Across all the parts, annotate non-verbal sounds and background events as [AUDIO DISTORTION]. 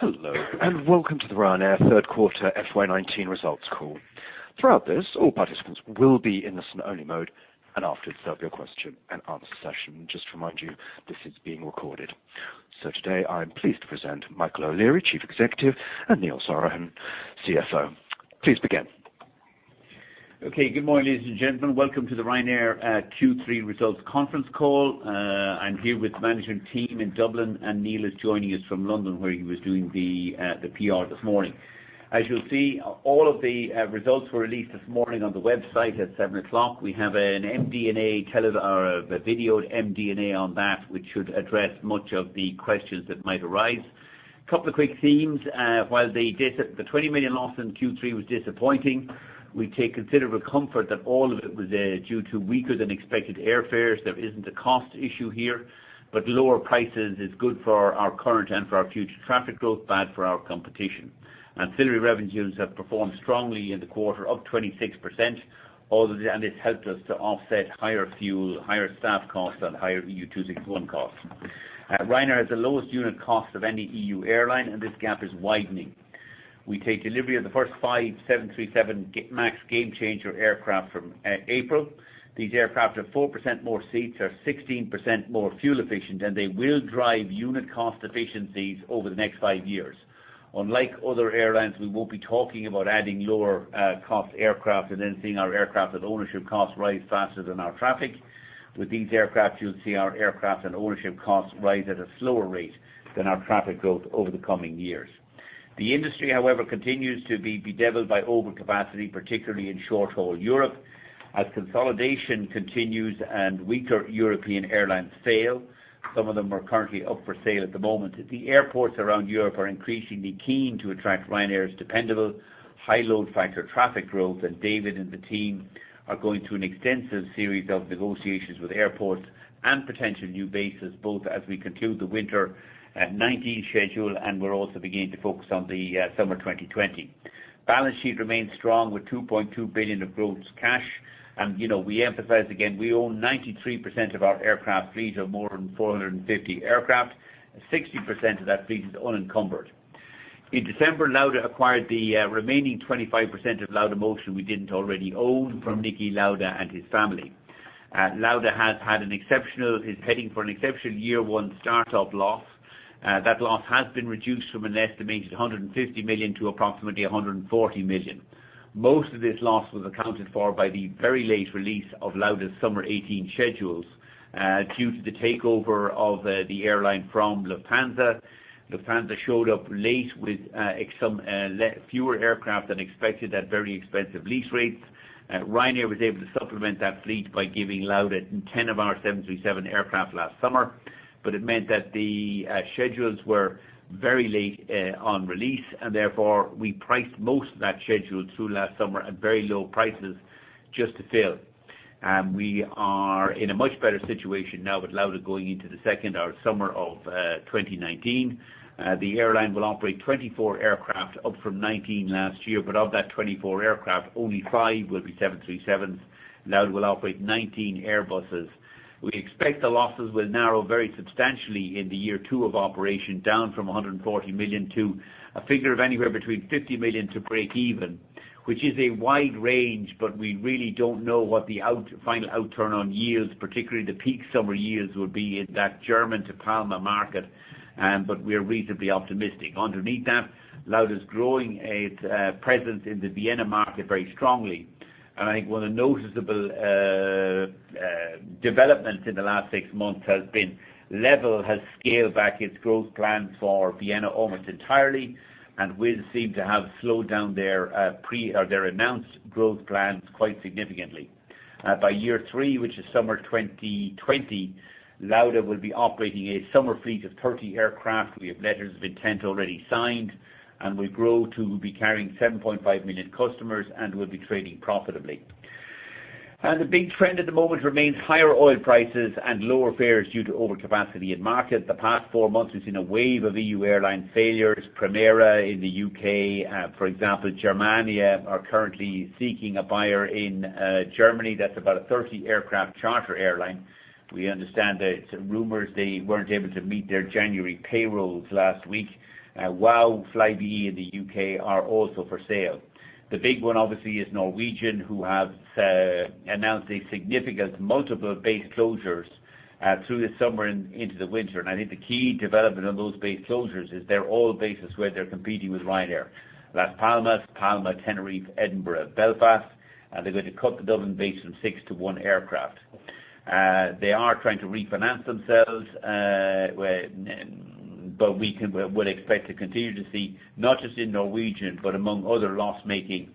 Hello, welcome to the Ryanair third quarter FY 2019 results call. Throughout this, all participants will be in listen-only mode, after there will be a question-and-answer session. Just to remind you, this is being recorded. Today, I am pleased to present Michael O'Leary, Chief Executive, and Neil Sorahan, CFO. Please begin. Okay. Good morning, ladies and gentlemen. Welcome to the Ryanair Q3 results conference call. I am here with the management team in Dublin. Neil is joining us from London, where he was doing the PR this morning. As you will see, all of the results were released this morning on the website at seven o'clock. We have a videoed MD&A on that, which should address much of the questions that might arise. Couple of quick themes. While the 20 million loss in Q3 was disappointing, we take considerable comfort that all of it was due to weaker-than-expected airfares. There is not a cost issue here, lower prices is good for our current and for our future traffic growth, bad for our competition. Ancillary revenues have performed strongly in the quarter, up 26%, it has helped us to offset higher fuel, higher staff costs, and higher EU261 costs. Ryanair has the lowest unit cost of any EU airline, this gap is widening. We take delivery of the first five 737 MAX game changer aircraft from April. These aircraft have 4% more seats, are 16% more fuel efficient, they will drive unit cost efficiencies over the next five years. Unlike other airlines, we will not be talking about adding lower cost aircraft and then seeing our aircraft and ownership costs rise faster than our traffic. With these aircraft, you will see our aircraft and ownership costs rise at a slower rate than our traffic growth over the coming years. Consolidation continues and weaker European airlines fail, some of them are currently up for sale at the moment, the airports around Europe are increasingly keen to attract Ryanair's dependable high load factor traffic growth. David and the team are going through an extensive series of negotiations with airports and potential new bases, both as we conclude the winter 2019 schedule, we are also beginning to focus on the summer 2020. Balance sheet remains strong with 2.2 billion of gross cash. We emphasize again, we own 93% of our aircraft fleet of more than 450 aircraft. 60% of that fleet is unencumbered. In December, Lauda acquired the remaining 25% of Laudamotion we did not already own from Niki Lauda and his family. Lauda is heading for an exceptional year one start-up loss. That loss has been reduced from an estimated 150 million to approximately 140 million. Most of this loss was accounted for by the very late release of Lauda's summer 2018 schedules due to the takeover of the airline from Lufthansa. Lufthansa showed up late with fewer aircraft than expected at very expensive lease rates. Ryanair was able to supplement that fleet by giving Lauda 10 of our 737 aircraft last summer, it meant that the schedules were very late on release, therefore we priced most of that schedule through last summer at very low prices just to fill. We are in a much better situation now with Lauda going into the second or summer of 2019. The airline will operate 24 aircraft, up from 19 last year. Of that 24 aircraft, only five will be 737s. Lauda will operate 19 Airbuses. We expect the losses will narrow very substantially in the year two of operation, down from 140 million to a figure of anywhere between 50 million to breakeven, which is a wide range, we really don't know what the final outturn on yields, particularly the peak summer years, will be in that German to Palma market, we're reasonably optimistic. Underneath that, Lauda is growing its presence in the Vienna market very strongly. I think one of the noticeable developments in the last six months has been LEVEL has scaled back its growth plan for Vienna almost entirely and will seem to have slowed down their announced growth plans quite significantly. By year three, which is summer 2020, Lauda will be operating a summer fleet of 30 aircraft. We have letters of intent already signed, we'll grow to be carrying 7.5 million customers and will be trading profitably. The big trend at the moment remains higher oil prices and lower fares due to overcapacity in market. The past four months has seen a wave of EU airline failures. Primera in the U.K., for example, Germania are currently seeking a buyer in Germany. That's about a 30-aircraft charter airline. We understand the rumors they weren't able to meet their January payrolls last week. WOW, Flybe in the U.K. are also for sale. The big one, obviously, is Norwegian, who has announced a significant multiple base closures through this summer and into the winter. I think the key development of those base closures is they're all bases where they're competing with Ryanair: Las Palmas, Palma, Tenerife, Edinburgh, Belfast, they're going to cut the Dublin base from six to one aircraft. They are trying to refinance themselves, we would expect to continue to see, not just in Norwegian, but among other loss-making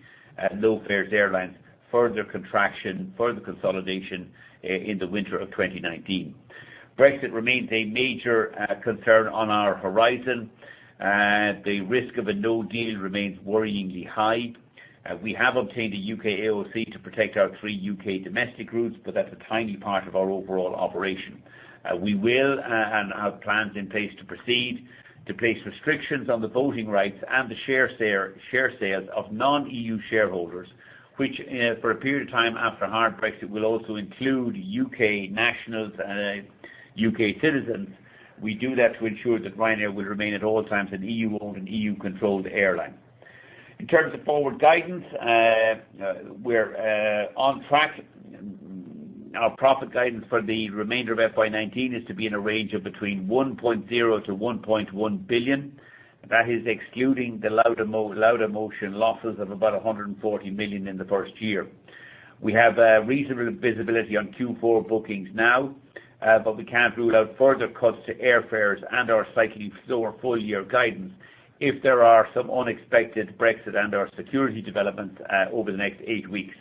low fares airlines, further contraction, further consolidation in the winter of 2019. Brexit remains a major concern on our horizon. The risk of a no deal remains worryingly high. We have obtained a U.K. AOC to protect our three U.K. domestic routes, that's a tiny part of our overall operation. We will and have plans in place to proceed to place restrictions on the voting rights and the share sales of non-EU shareholders, which for a period of time after a hard Brexit, will also include U.K. nationals and U.K. citizens. We do that to ensure that Ryanair will remain at all times an EU-owned and EU-controlled airline. In terms of forward guidance, we are on track. Our profit guidance for the remainder of FY 2019 is to be in a range of between 1.0 billion to 1.1 billion. That is excluding the Laudamotion losses of about 140 million in the first year. We have reasonable visibility on Q4 bookings now, but we cannot rule out further cuts to airfares and/or cycling slower full-year guidance if there are some unexpected Brexit and/or security developments over the next eight weeks.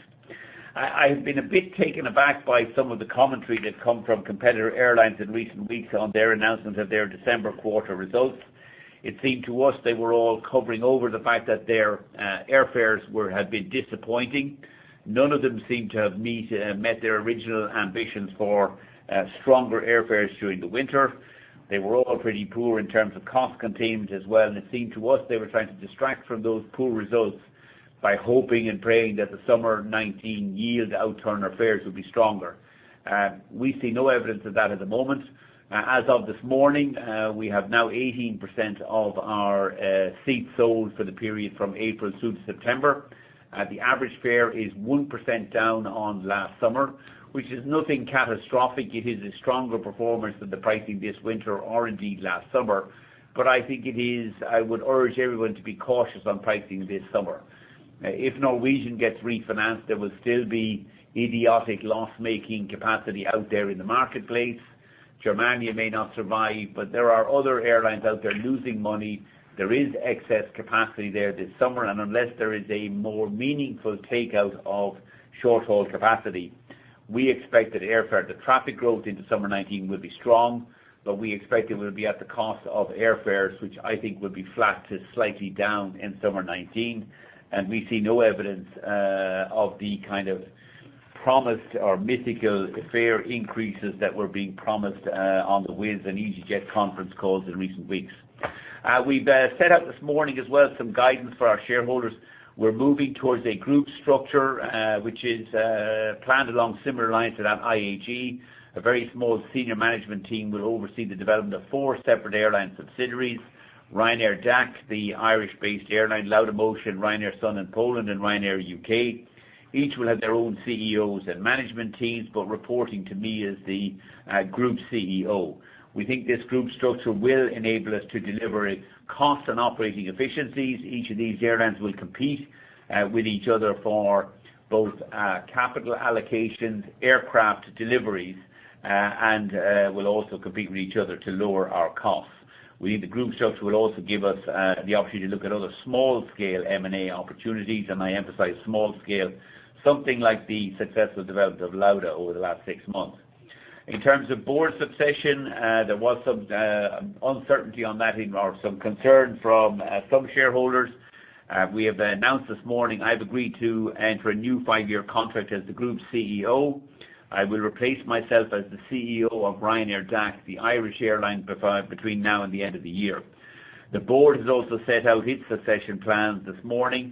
I have been a bit taken aback by some of the commentary that comes from competitor airlines in recent weeks on their announcements of their December quarter results. It seemed to us they were all covering over the fact that their airfares had been disappointing. None of them seemed to have met their original ambitions for stronger airfares during the winter. They were all pretty poor in terms of cost containment as well, and it seemed to us they were trying to distract from those poor results by hoping and praying that the summer 2019 yield outturn fares would be stronger. We see no evidence of that at the moment. As of this morning, we have now 18% of our seats sold for the period from April through to September. The average fare is 1% down on last summer, which is nothing catastrophic. It is a stronger performance than the pricing this winter or indeed last summer. I think I would urge everyone to be cautious on pricing this summer. If Norwegian gets refinanced, there will still be idiotic loss-making capacity out there in the marketplace. Germania may not survive, but there are other airlines out there losing money. There is excess capacity there this summer, and unless there is a more meaningful takeout of short-haul capacity, we expect that the traffic growth into summer 2019 will be strong, but we expect it will be at the cost of airfares, which I think will be flat to slightly down in summer 2019. We see no evidence of the kind of promised or mythical fare increases that were being promised on the Wizz Air and EasyJet conference calls in recent weeks. We have set out this morning, as well, some guidance for our shareholders. We are moving towards a group structure, which is planned along similar lines to that IAG. A very small senior management team will oversee the development of four separate airline subsidiaries. Ryanair DAC, the Irish-based airline, Laudamotion, Ryanair Sun in Poland, and Ryanair U.K. Each will have their own CEOs and management teams, but reporting to me as the Group CEO. We think this group structure will enable us to deliver cost and operating efficiencies. Each of these airlines will compete with each other for both capital allocations, aircraft deliveries, and will also compete with each other to lower our costs. We think the group structure will also give us the opportunity to look at other small-scale M&A opportunities, and I emphasize small scale, something like the successful development of Lauda over the last six months. In terms of board succession, there was some uncertainty on that, or some concern from some shareholders. We have announced this morning, I've agreed to enter a new five-year contract as the Group CEO. I will replace myself as the CEO of Ryanair DAC, the Irish airline, between now and the end of the year. The board has also set out its succession plans this morning.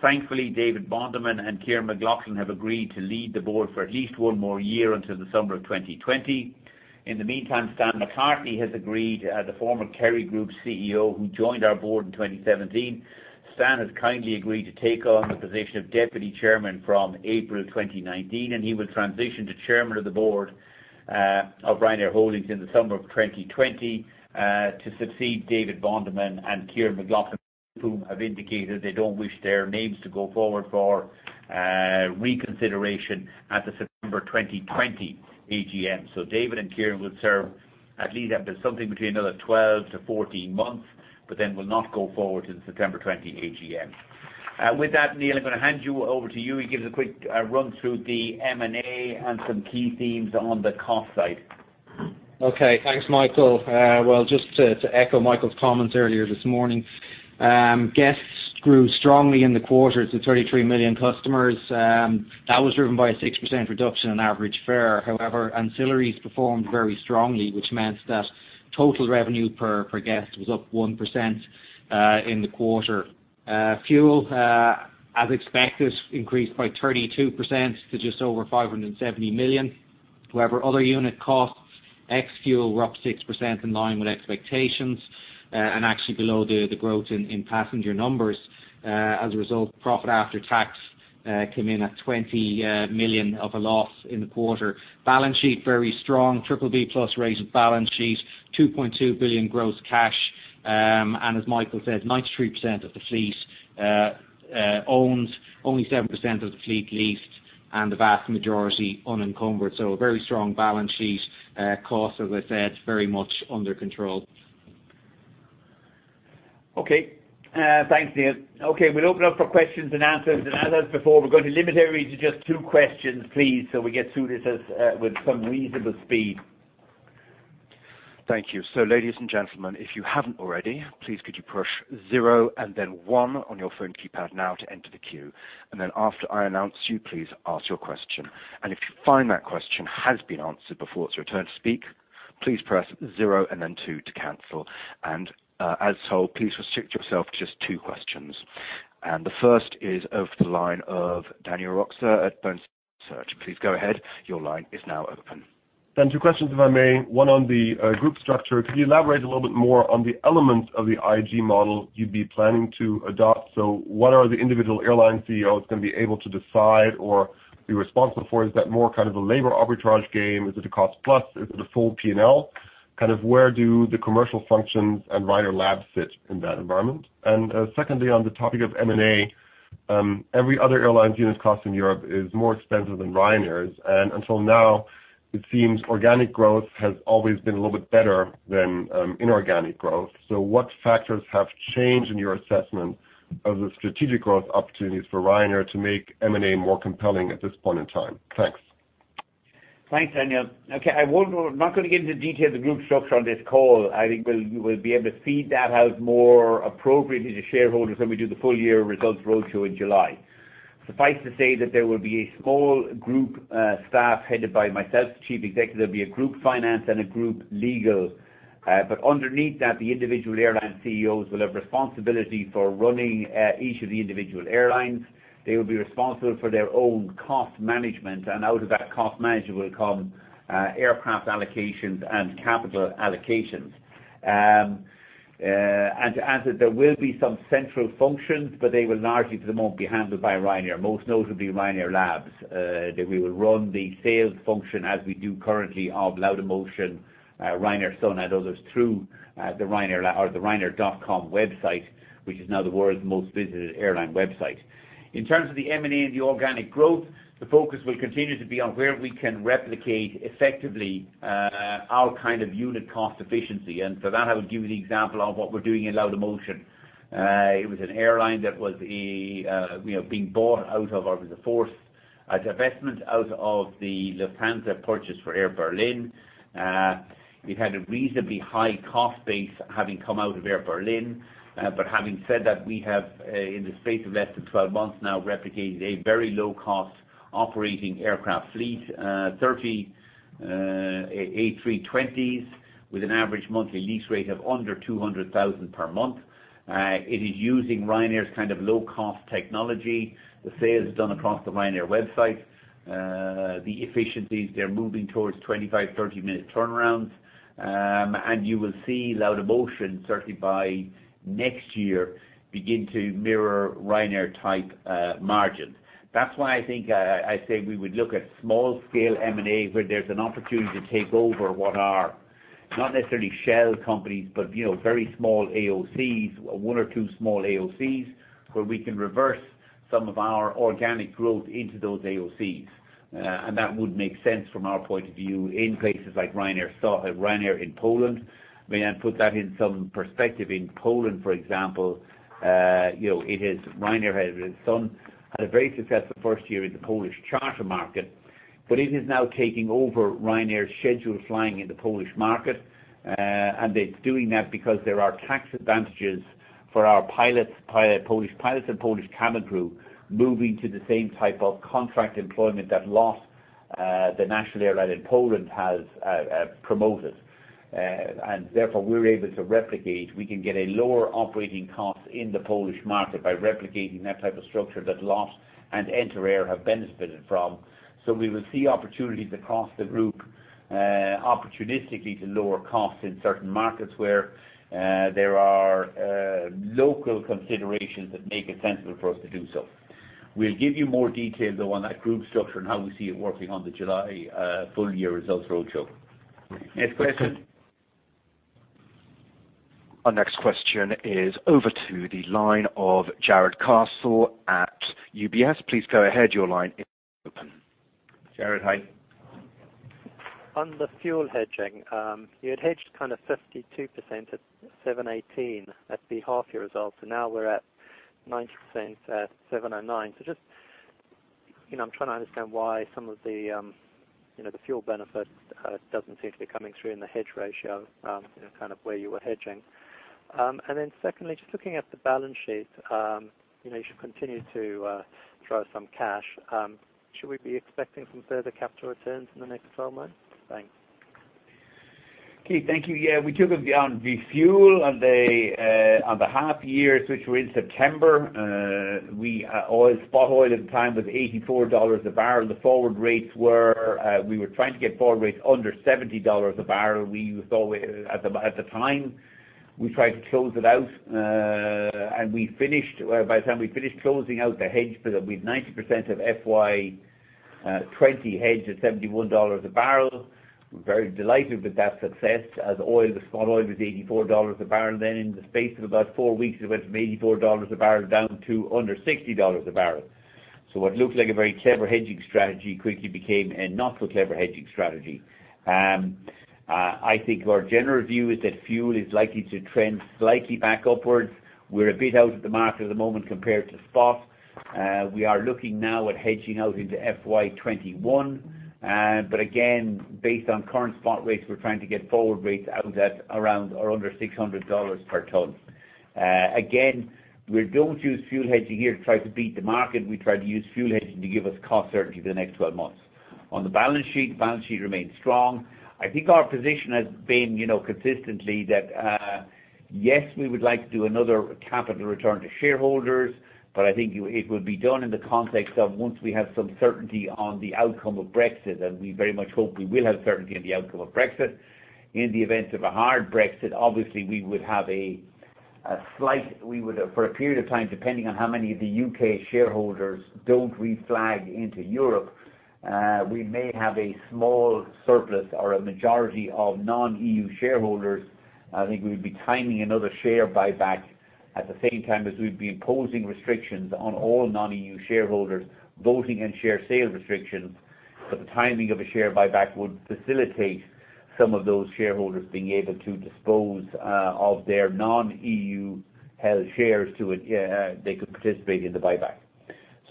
Thankfully, David Bonderman and Kyran McLaughlin have agreed to lead the board for at least one more year until the summer of 2020. In the meantime, Stan McCarthy has agreed, the former Kerry Group CEO who joined our board in 2017. Stan has kindly agreed to take on the position of Deputy Chairman from April 2019, and he will transition to Chairman of the Board of Ryanair Holdings in the summer of 2020 to succeed David Bonderman and Kyran McLaughlin, whom have indicated they don't wish their names to go forward for reconsideration at the September 2020 AGM. David and Kyran will serve at least something between another 12 to 14 months, but then will not go forward to the September 2020 AGM. With that, Neil, I'm going to hand you over to you to give us a quick run through the M&A and some key themes on the cost side. Thanks, Michael. Well, just to echo Michael's comments earlier this morning. Guests grew strongly in the quarter to 33 million customers. That was driven by a 6% reduction in average fare. However, ancillaries performed very strongly, which meant that total revenue per guest was up 1% in the quarter. Fuel, as expected, increased by 32% to just over 570 million. However, other unit costs, ex-fuel, were up 6% in line with expectations. And actually below the growth in passenger numbers. As a result, profit after tax came in at 20 million of a loss in the quarter. Balance sheet very strong. BBB+ rated balance sheet. 2.2 billion gross cash. And as Michael said, 93% of the fleet owned, only 7% of the fleet leased, and the vast majority unencumbered. So, a very strong balance sheet. Cost, as I said, very much under control. Thanks, Neil. We'll open up for questions and answers. And as before, we're going to limit everyone to just two questions, please, so we get through this with some reasonable speed. Thank you. Ladies and gentlemen, if you haven't already, please could you push zero and then one on your phone keypad now to enter the queue. After I announce you, please ask your question. If you find that question has been answered before, it's your turn to speak, please press zero and then two to cancel. As told, please restrict yourself to just two questions. The first is over the line of Daniel Roeska at Bernstein Research. Please go ahead. Your line is now open. Two questions, if I may. One on the group structure. Could you elaborate a little bit more on the elements of the IAG model you'd be planning to adopt? What are the individual airline CEOs going to be able to decide or be responsible for? Is that more a labor arbitrage game? Is it a cost-plus? Is it a full P&L? Where do the commercial functions and Ryanair Labs fit in that environment? Secondly, on the topic of M&A, every other airline's unit cost in Europe is more expensive than Ryanair's. Until now, it seems organic growth has always been a little bit better than inorganic growth. What factors have changed in your assessment of the strategic growth opportunities for Ryanair to make M&A more compelling at this point in time? Thanks. Thanks, Daniel. Okay. I'm not going to get into detail of the group structure on this call. I think we'll be able to feed that out more appropriately to shareholders when we do the full-year results roadshow in July. Suffice to say that there will be a small group staff headed by myself, the chief executive. There'll be a group finance and a group legal. Underneath that, the individual airline CEOs will have responsibility for running each of the individual airlines. They will be responsible for their own cost management. Out of that, cost management will come aircraft allocations and capital allocations. There will be some central functions, but they will largely for the most be handled by Ryanair, most notably Ryanair Labs. That we will run the sales function as we do currently of Laudamotion, Ryanair Sun and others through the Ryanair or the ryanair.com website, which is now the world's most visited airline website. In terms of the M&A and the organic growth, the focus will continue to be on where we can replicate effectively our kind of unit cost efficiency. For that, I would give you the example of what we're doing in Laudamotion. It was an airline that was being bought out of, or it was a forced divestment out of the Lufthansa purchase for Air Berlin. It had a reasonably high cost base, having come out of Air Berlin. Having said that, we have, in the space of less than 12 months now, replicated a very low-cost operating aircraft fleet. 30 A320s with an average monthly lease rate of under 200,000 per month. It is using Ryanair's low-cost technology. The sales are done across the Ryanair website. The efficiencies, they're moving towards 25, 30-minute turnarounds. You will see Laudamotion, certainly by next year, begin to mirror Ryanair-type margins. That's why I think I say we would look at small-scale M&A where there's an opportunity to take over what are not necessarily shell companies, but very small AOCs, one or two small AOCs, where we can reverse some of our organic growth into those AOCs. That would make sense from our point of view in places like Ryanair in Poland. May I put that in some perspective? In Poland, for example, Ryanair has its Sun. Had a very successful first year in the Polish charter market, it is now taking over Ryanair's scheduled flying in the Polish market. It's doing that because there are tax advantages for our Polish pilots and Polish cabin crew moving to the same type of contract employment that LOT, the national airline in Poland, has promoted. Therefore, we're able to replicate. We can get a lower operating cost in the Polish market by replicating that type of structure that LOT and Enter Air have benefited from. We will see opportunities across the group opportunistically to lower costs in certain markets where there are local considerations that make it sensible for us to do so. We'll give you more details, though, on that group structure and how we see it working on the July full-year results roadshow. Next question. Our next question is over to the line of Jarrod Castle at UBS. Please go ahead. Your line is open. Jarrod, hi. On the fuel hedging, you had hedged 52% at $718 at the half-year results. Now we're at 90% at $709. I'm trying to understand why some of the fuel benefit doesn't seem to be coming through in the hedge ratio, where you were hedging. Secondly, just looking at the balance sheet. You should continue to draw some cash. Should we be expecting some further capital returns in the next 12 months? Thanks. Okay. Thank you. Yeah, we took it on the fuel on the half year, which were in September. Spot oil at the time was $84 a barrel. We were trying to get forward rates under $70 a barrel. At the time, we tried to close it out. By the time we finished closing out the hedge for them, we had 90% of FY 2020 hedged at $71 a barrel. We're very delighted with that success, as oil, the spot oil, was $84 a barrel. In the space of about four weeks, it went from $84 a barrel down to under $60 a barrel. What looked like a very clever hedging strategy quickly became a not-so-clever hedging strategy. I think our general view is that fuel is likely to trend slightly back upwards. We're a bit out of the market at the moment compared to spot. We are looking now at hedging out into FY 2021. Again, based on current spot rates, we're trying to get forward rates out at around or under $600 per ton. Again, we don't use fuel hedging here to try to beat the market. We try to use fuel hedging to give us cost certainty for the next 12 months. On the balance sheet, balance sheet remains strong. I think our position has been consistently that, yes, we would like to do another capital return to shareholders. I think it will be done in the context of once we have some certainty on the outcome of Brexit. We very much hope we will have certainty on the outcome of Brexit. In the event of a hard Brexit, obviously, we would have a slight and we would for a period of time, depending on how many of the U.K. shareholders don't re-flag into Europe, we may have a small surplus or a majority of non-EU shareholders. I think we would be timing another share buyback at the same time as we'd be imposing restrictions on all non-EU shareholders, voting and share sale restrictions. The timing of a share buyback would facilitate some of those shareholders being able to dispose of their non-EU held shares, they could participate in the buyback.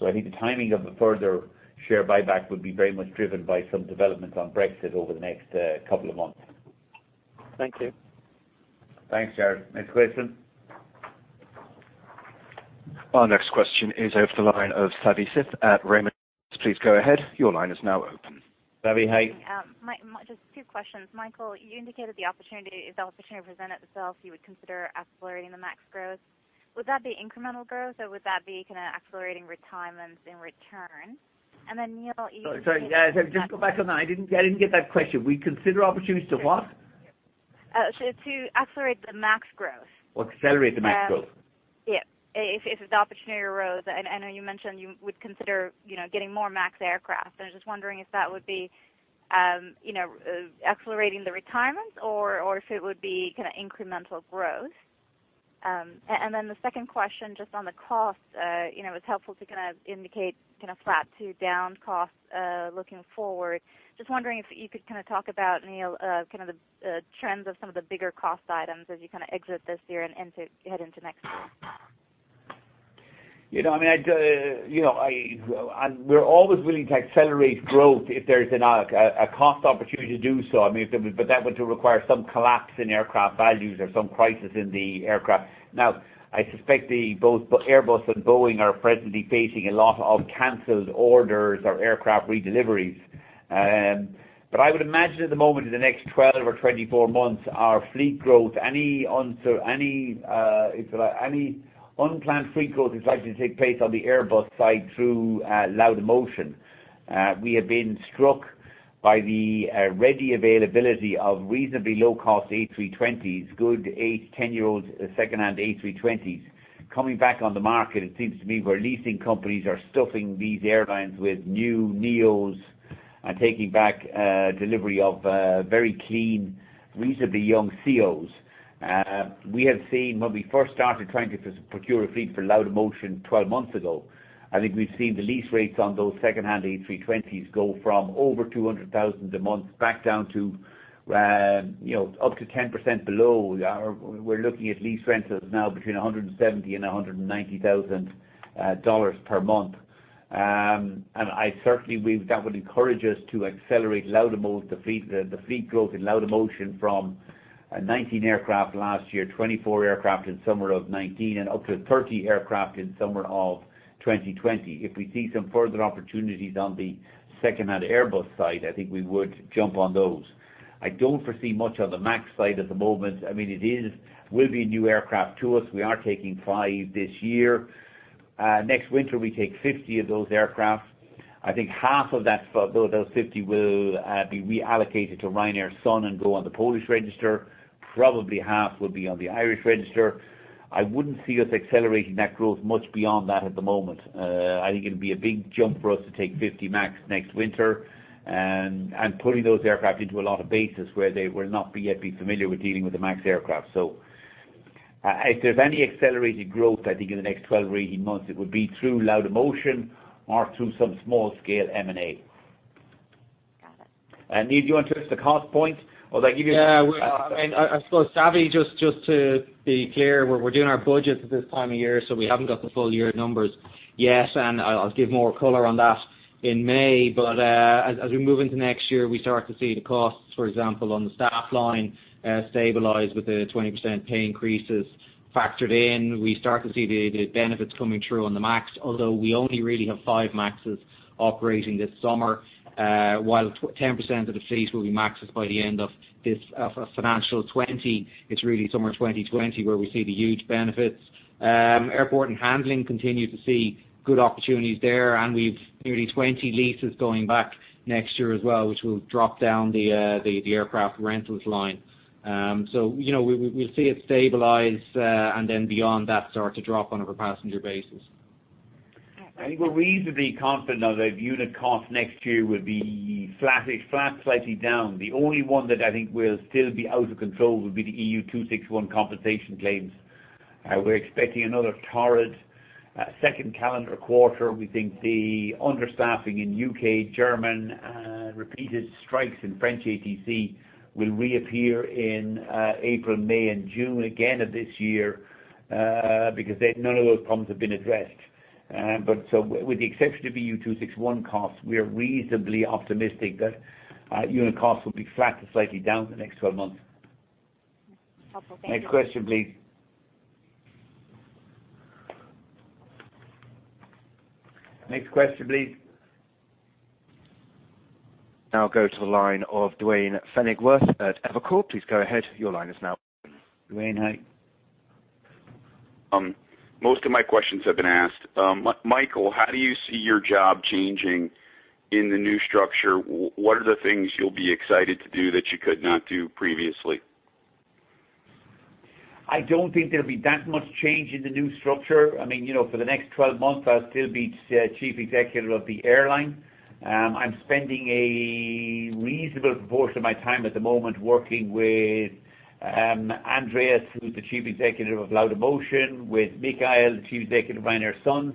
I think the timing of a further share buyback would be very much driven by some developments on Brexit over the next couple of months. Thank you. Thanks, Jarrod. Next question. Our next question is over the line of Savanthi Syth at Raymond James. Please go ahead. Your line is now open. Savi, hey. Mike, just two questions. Michael, you indicated if the opportunity presented itself, you would consider accelerating the MAX growth. Would that be incremental growth, or would that be kind of accelerating retirements in return? Neil. Sorry. Just go back on that. I didn't get that question. We'd consider opportunities to what? To accelerate the MAX growth. Accelerate the MAX growth. If the opportunity arose, I know you mentioned you would consider getting more MAX aircraft. I was just wondering if that would be accelerating the retirements or if it would be incremental growth. The second question, on the cost. It's helpful to indicate flat to down costs looking forward. Wondering if you could talk about, Neil, the trends of some of the bigger cost items as you exit this year and head into next year. We're always willing to accelerate growth if there's a cost opportunity to do so. That would require some collapse in aircraft values or some crisis in the aircraft. I suspect both Airbus and Boeing are presently facing a lot of canceled orders or aircraft redeliveries. I would imagine at the moment, in the next 12 or 24 months, our fleet growth, any unplanned fleet growth, is likely to take place on the Airbus side through Laudamotion. We have been struck by the ready availability of reasonably low-cost A320s, good 8 to 10-year-old secondhand A320s. Coming back on the market, it seems to me where leasing companies are stuffing these airlines with new NEOs and taking back delivery of very clean, reasonably young CEOs. We have seen when we first started trying to procure a fleet for Laudamotion 12 months ago, I think we've seen the lease rates on those secondhand A320s go from over 200,000 a month back down to up to 10% below. We're looking at lease rentals now between 170,000 and EUR 190,000 per month. I certainly believe that would encourage us to accelerate the fleet growth in Laudamotion from 19 aircraft last year, 24 aircraft in summer of 2019, and up to 30 aircraft in summer of 2020. If we see some further opportunities on the secondhand Airbus side, I think we would jump on those. I don't foresee much on the MAX side at the moment. It will be a new aircraft to us. We are taking five this year. Next winter, we take 50 of those aircraft. I think half of those 50 will be reallocated to Ryanair Sun and go on the Polish register. Probably half will be on the Irish register. I wouldn't see us accelerating that growth much beyond that at the moment. I think it'll be a big jump for us to take 50 MAX next winter and pulling those aircraft into a lot of bases where they will not yet be familiar with dealing with the MAX aircraft. If there's any accelerated growth, I think in the next 12 or 18 months, it would be through Laudamotion or through some small-scale M&A. Got it. Neil, do you want to address the cost point? Yeah. I suppose, Savi, just to be clear, we're doing our budgets at this time of year, so we haven't got the full year numbers yet, and I'll give more color on that in May. As we move into next year, we start to see the costs, for example, on the staff line, stabilize with the 20% pay increases factored in. We start to see the benefits coming through on the MAX, although we only really have 5 MAXs operating this summer. While 10% of the fleet will be MAXes by the end of FY 2020, it's really summer 2020 where we see the huge benefits. Airport and handling continue to see good opportunities there, and we've nearly 20 leases going back next year as well, which will drop down the aircraft rentals line. We'll see it stabilize, and then beyond that, start to drop on a per-passenger basis. All right. I think we're reasonably confident now that unit cost next year will be flat, slightly down. The only one that I think will still be out of control will be the EU261 compensation claims. We're expecting another torrid second calendar quarter. We think the understaffing in U.K., German, repeated strikes in French ATC will reappear in April, May, and June again of this year because none of those problems have been addressed. With the exception of EU261 costs, we are reasonably optimistic that unit costs will be flat to slightly down for the next 12 months. Helpful. Thank you. Next question, please. Next question, please. Go to the line of Duane Pfennigwerth at Evercore. Please go ahead. Your line is now open. Duane, hey. Most of my questions have been asked. Michael, how do you see your job changing in the new structure? What are the things you'll be excited to do that you could not do previously? I don't think there'll be that much change in the new structure. For the next 12 months, I'll still be chief executive of the airline. I'm spending a reasonable proportion of my time at the moment working with Andreas, who's the chief executive of Laudamotion, with Michal, the chief executive of Ryanair Sun,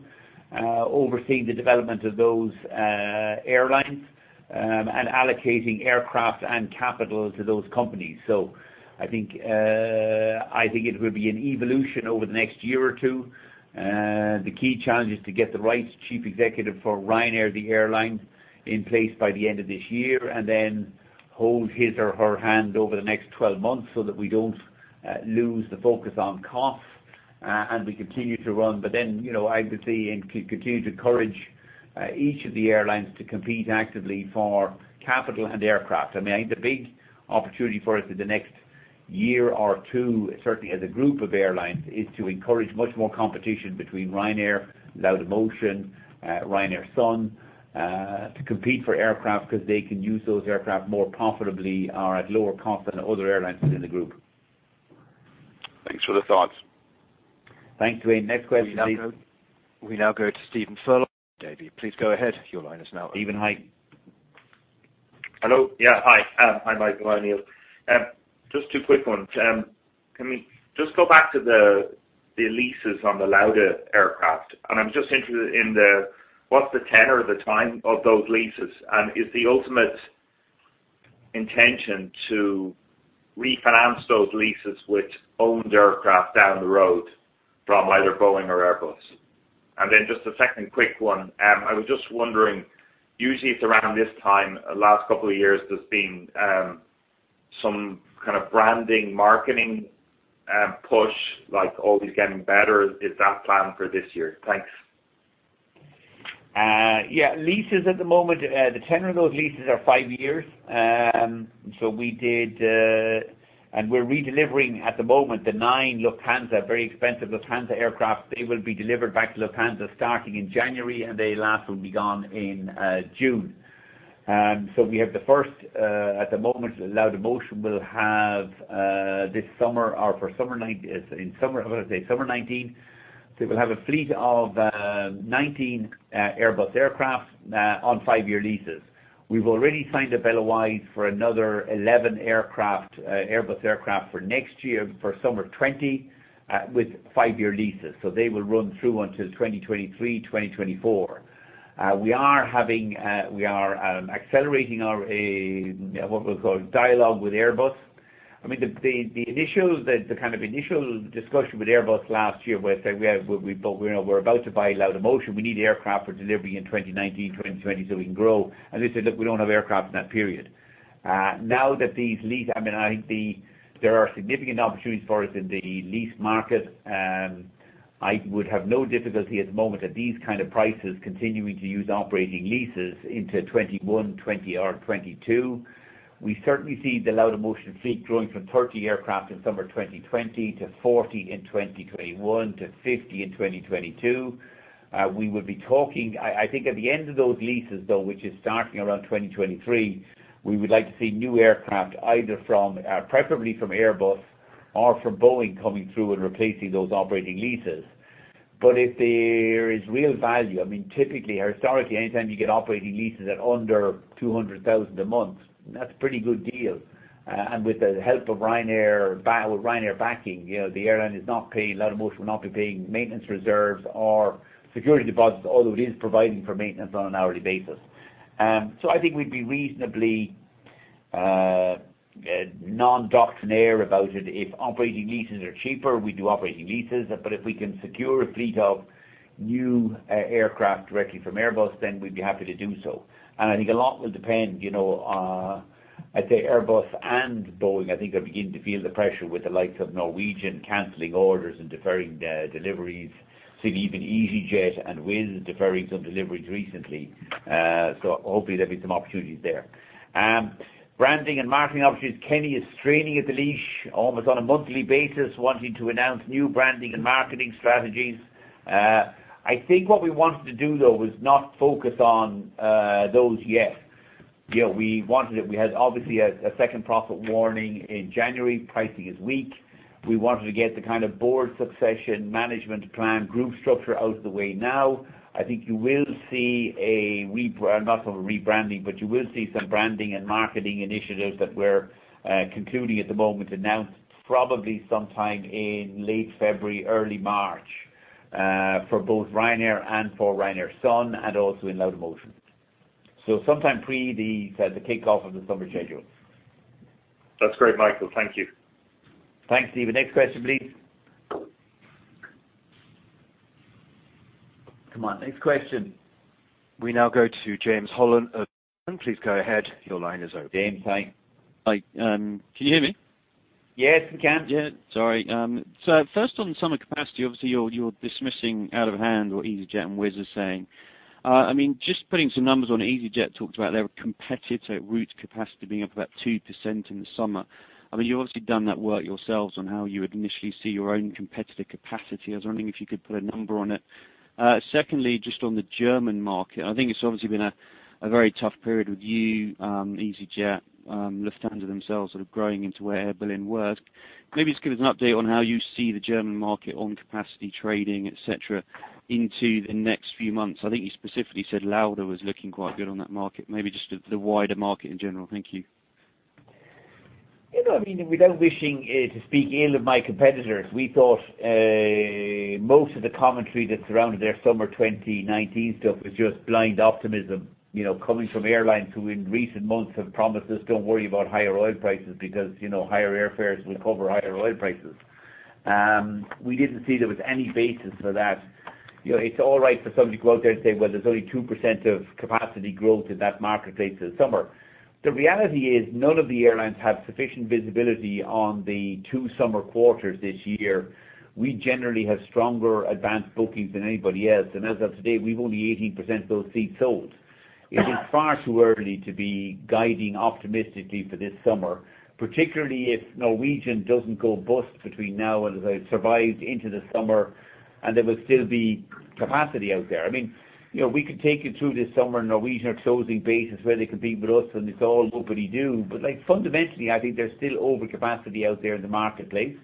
overseeing the development of those airlines and allocating aircraft and capital to those companies. I think it will be an evolution over the next year or two. The key challenge is to get the right Chief Executive for Ryanair, the airline, in place by the end of this year, and then hold his or her hand over the next 12 months so that we don't lose the focus on cost, and we continue to run. I would see and continue to encourage each of the airlines to compete actively for capital and aircraft. I think the big opportunity for us in the next year or two, certainly as a group of airlines, is to encourage much more competition between Ryanair, Laudamotion, Ryanair Sun to compete for aircraft because they can use those aircraft more profitably or at lower cost than other airlines in the group. Thanks for the thoughts. Thank you. Next question, please. We now go to Stephen Furlong. Davy, please go ahead. Your line is now open. Stephen, hi. Hello. Yeah, hi. Hi, Michael. Just two quick ones. Can we just go back to the leases on the Lauda aircraft? I'm just interested in what's the tenor or the time of those leases, is the ultimate intention to refinance those leases with owned aircraft down the road from either Boeing or Airbus? Just a second, quick one. I was just wondering, usually it's around this time, last couple of years, there's been some kind of branding, marketing push, like Always Getting Better. Is that planned for this year? Thanks. Yeah. Leases at the moment, the tenor of those leases are five years. We're redelivering at the moment the nine Lufthansa, very expensive Lufthansa aircraft. They will be delivered back to Lufthansa starting in January, the last will be gone in June. We have the first. At the moment, Laudamotion will have this summer or for summer 2019, they will have a fleet of 19 Airbus aircraft on five-year leases. We've already signed up otherwise for another 11 aircraft, Airbus aircraft for next year, for summer 2020, with five-year leases. They will run through until 2023, 2024. We are accelerating our, what we'll call, dialogue with Airbus. The kind of initial discussion with Airbus last year was that we're about to buy Laudamotion. We need aircraft for delivery in 2019, 2020; we can grow. They said, "Look, we don't have aircraft in that period." Now that these There are significant opportunities for us in the lease market. I would have no difficulty at the moment at these kind of prices continuing to use operating leases into 2021, 2020 or 2022. We certainly see the Laudamotion fleet growing from 30 aircraft in summer 2020 to 40 in 2021 to 50 in 2022. We will be talking, I think at the end of those leases, though, which is starting around 2023, we would like to see new aircraft, preferably from Airbus or from Boeing, coming through and replacing those operating leases. If there is real value, typically or historically, anytime you get operating leases at under 200,000 a month, that's a pretty good deal. With the help of Ryanair backing, [AUDIO DISTORTION] will not be paying maintenance reserves or security deposits, although it is providing for maintenance on an hourly basis. I think we'd be reasonably non-doctrinaire about it. If operating leases are cheaper, we do operating leases. If we can secure a fleet of new aircraft directly from Airbus, then we'd be happy to do so. I think a lot will depend. I'd say Airbus and Boeing, I think, are beginning to feel the pressure with the likes of Norwegian canceling orders and deferring deliveries. See even EasyJet and Wizz Air deferring some deliveries recently. Hopefully there'll be some opportunities there. Branding and marketing opportunities. Kenny is straining at the leash almost on a monthly basis, wanting to announce new branding and marketing strategies. I think what we wanted to do, though, was not focus on those yet. We had obviously a second profit warning in January. Pricing is weak. We wanted to get the kind of board succession management plan group structure out of the way now. I think you will see a rebranding, not a rebranding, but you will see some branding and marketing initiatives that we're concluding at the moment, announced probably sometime in late February, early March, for both Ryanair and for Ryanair Sun and also in Laudamotion. Sometime pre the kickoff of the summer schedule. That's great, Michael. Thank you. Thanks, Stephen. Next question, please. Come on, next question. We now go to James Holland of. Please go ahead. Your line is open. James, hi. Hi. Can you hear me? Yes, we can. First on summer capacity, obviously you're dismissing out of hand what EasyJet and Wizz Air is saying. Just putting some numbers on, EasyJet talked about their competitor route capacity being up about 2% in the summer. You've obviously done that work yourselves on how you would initially see your own competitive capacity. I was wondering if you could put a number on it. Secondly, just on the German market, I think it's obviously been a very tough period with you, EasyJet, Lufthansa themselves sort of growing into where Air Berlin was. Maybe just give us an update on how you see the German market on capacity trading, et cetera, into the next few months. I think you specifically said Lauda was looking quite good on that market. Maybe just the wider market in general. Thank you. Without wishing to speak ill of my competitors, we thought most of the commentary that surrounded their summer 2019 stuff was just blind optimism, coming from airlines who in recent months, have promised us, "Don't worry about higher oil prices, because higher airfares will cover higher oil prices." We didn't see there was any basis for that. It's all right for somebody to go out there and say, well, there's only 2% of capacity growth in that marketplace this summer. The reality is none of the airlines have sufficient visibility on the two summer quarters this year. We generally have stronger advanced bookings than anybody else. As of today, we've only 18% of those seats sold. It is far too early to be guiding optimistically for this summer, particularly if Norwegian doesn't go bust between now and as they survived into the summer, and there will still be capacity out there. We could take it through this summer, and Norwegian are closing bases where they compete with us, and it's all hunky-dory. Fundamentally, I think there's still overcapacity out there in the marketplace.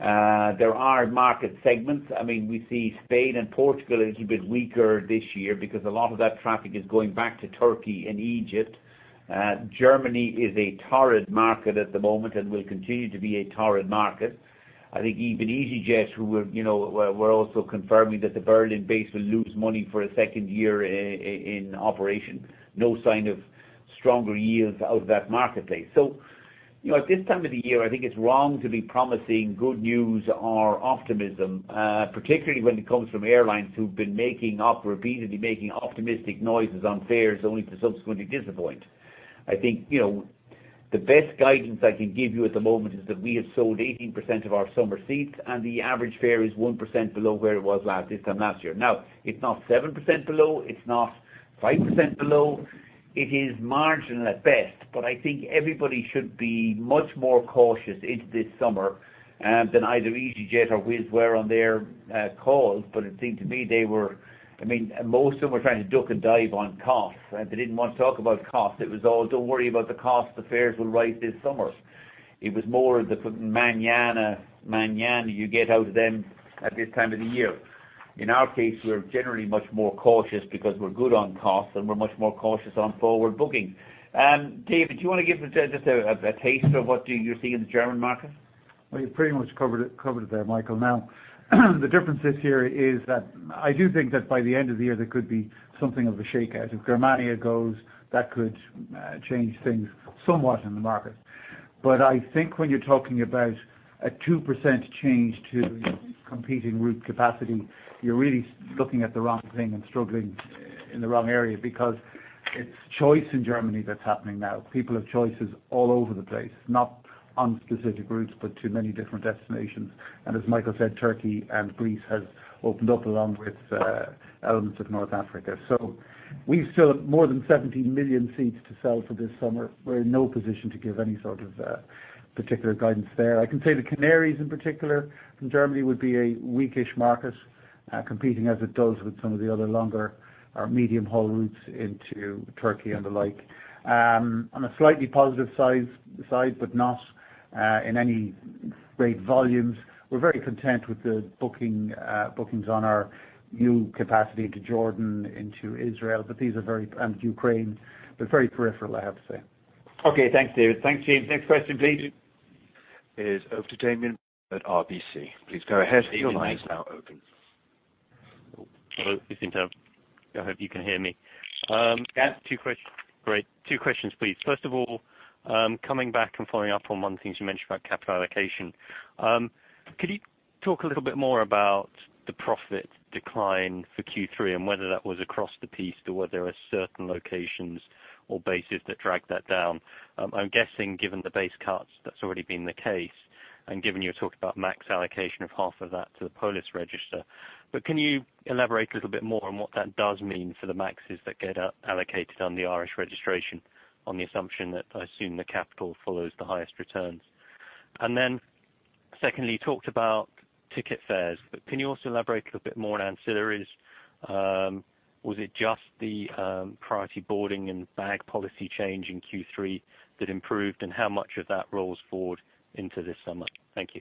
There are market segments. We see Spain and Portugal a little bit weaker this year because a lot of that traffic is going back to Turkey and Egypt. Germany is a torrid market at the moment and will continue to be a torrid market. I think even EasyJet, who were also confirming that the Berlin base will lose money for a second year in operation. No sign of stronger yields out of that marketplace. At this time of the year, I think it's wrong to be promising good news or optimism, particularly when it comes from airlines who've been repeatedly making optimistic noises on fares only to subsequently disappoint. I think the best guidance I can give you at the moment is that we have sold 18% of our summer seats, and the average fare is 1% below where it was this time last year. It's not 7% below, it's not 5% below. It is marginal at best, but I think everybody should be much more cautious into this summer than either EasyJet or Wizz were on their calls. It seemed to me most of them were trying to duck and dive on costs. They didn't want to talk about costs. It was all, "Don't worry about the costs. The fares will rise this summer." It was more of the mañana you get out of them at this time of the year. In our case, we're generally much more cautious because we're good on costs, and we're much more cautious on forward booking. David, do you want to give just a taste of what you're seeing in the German market? You pretty much covered it there, Michael. The difference this year is that I do think that by the end of the year, there could be something of a shakeout. If Germania goes, that could change things somewhat in the market. I think when you're talking about a 2% change to competing route capacity, you're really looking at the wrong thing and struggling in the wrong area because it's choice in Germany that's happening now. People have choices all over the place, not on specific routes, but to many different destinations. As Michael said, Turkey and Greece has opened up along with elements of North Africa. We've still more than 70 million seats to sell for this summer. We're in no position to give any sort of particular guidance there. I can say the Canaries in particular from Germany would be a weakish market, competing as it does with some of the other longer or medium-haul routes into Turkey and the like. On a slightly positive side, but not in any great volumes, we're very content with the bookings on our new capacity to Jordan, into Israel, but these are and Ukraine, but very peripheral, I have to say. Okay. Thanks, David. Thanks, James. Next question, please. Is over to Damian at RBC. Please go ahead. Your line is now open. Hello. I hope you can hear me. Yes. Great. Two questions, please. First of all, coming back and following up on one of the things you mentioned about capital allocation. Could you talk a little bit more about the profit decline for Q3 and whether that was across the piece or were there certain locations or bases that dragged that down? I'm guessing, given the base cuts, that's already been the case, and given you talked about MAX allocation of half of that to the Polish register. Can you elaborate a little bit more on what that does mean for the MAXes that get allocated on the Irish registration on the assumption that I assume the capital follows the highest returns? Secondly, you talked about ticket fares, but can you also elaborate a little bit more on ancillaries? Was it just the priority boarding and bag policy change in Q3 that improved, and how much of that rolls forward into this summer? Thank you.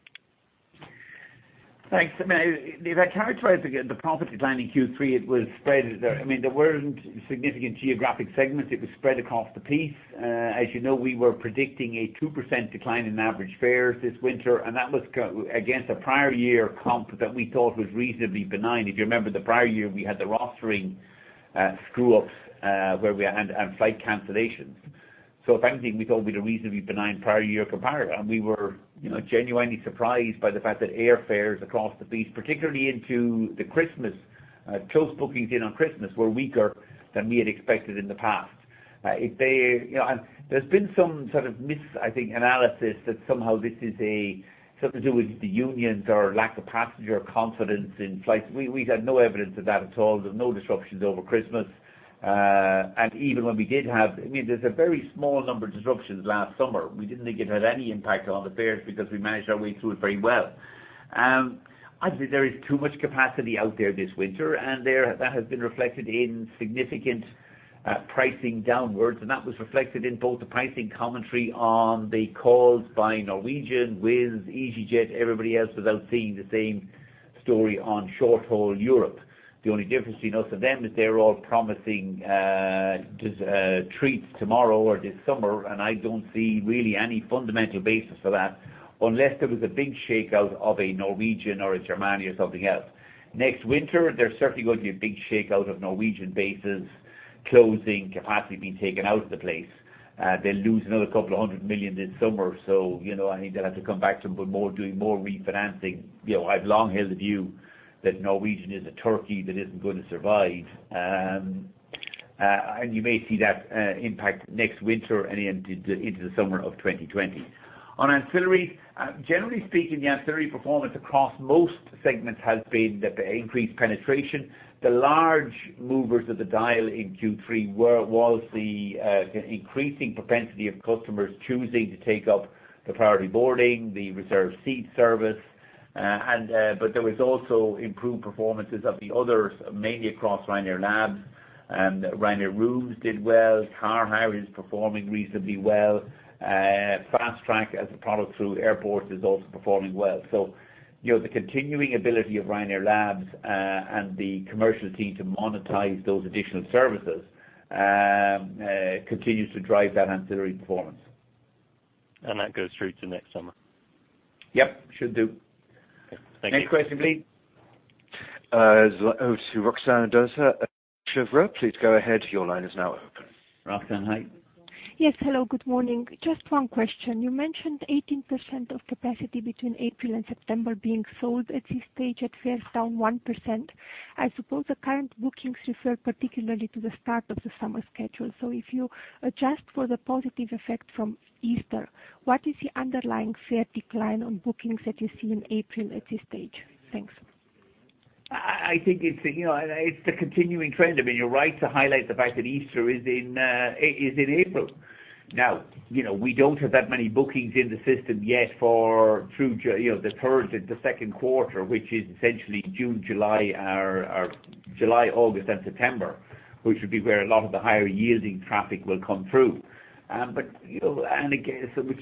Thanks. If I characterize the profit decline in Q3, it was spread. There weren't significant geographic segments. It was spread across the piece. As you know, we were predicting a 2% decline in average fares this winter, and that was against a prior year comp that we thought was reasonably benign. If you remember the prior year, we had the rostering screw-ups and flight cancellations. If anything, we thought it would be a reasonably benign prior year comparator. We were genuinely surprised by the fact that airfares across the piece, particularly into the Christmas, close bookings in on Christmas, were weaker than we had expected in the past. There's been some sort of misanalysis that somehow this is something to do with the unions or lack of passenger confidence in flights. We have no evidence of that at all. There was no disruptions over Christmas. Even when there's a very small number of disruptions last summer. We didn't think it had any impact on the fares because we managed our way through it very well. I believe there is too much capacity out there this winter, and that has been reflected in significant pricing downwards. That was reflected in both the pricing commentary on the calls by Norwegian, Wizz Air, EasyJet, everybody else, without seeing the same story on short-haul Europe. The only difference between us and them is they're all promising treats tomorrow or this summer, and I don't see really any fundamental basis for that unless there was a big shakeout of a Norwegian or a Germania or something else. Next winter, there's certainly going to be a big shakeout of Norwegian bases closing, capacity being taken out of the place. They'll lose another 200 million this summer. I think they'll have to come back to doing more refinancing. I've long held the view that Norwegian is a turkey that isn't going to survive. You may see that impact next winter and into the summer of 2020. On ancillaries, generally speaking, the ancillary performance across most segments has been the increased penetration. The large movers of the dial in Q3 was the increasing propensity of customers choosing to take up the priority boarding, the reserved seat service. There was also improved performances of the others, mainly across Ryanair Labs and Ryanair Rooms did well. Car hire is performing reasonably well. Fast Track as a product through airports is also performing well. The continuing ability of Ryanair Labs and the commercial team to monetize those additional services continues to drive that ancillary performance. That goes through to next summer? Yep. Should do. Okay. Thank you. Next question, please. Over to Ruxandra Döser at Cheuvreux. Please go ahead. Your line is now open. Ruxan, hi. Yes. Hello, good morning. Just one question. You mentioned 18% of capacity between April and September being sold at this stage at fares down 1%. I suppose the current bookings refer particularly to the start of the summer schedule. If you adjust for the positive effect from Easter, what is the underlying fare decline on bookings that you see in April at this stage? Thanks. I think it's the continuing trend. I mean, you're right to highlight the fact that Easter is in April. We don't have that many bookings in the system yet for through the second quarter, which is essentially June, July, August and September, which would be where a lot of the higher-yielding traffic will come through. This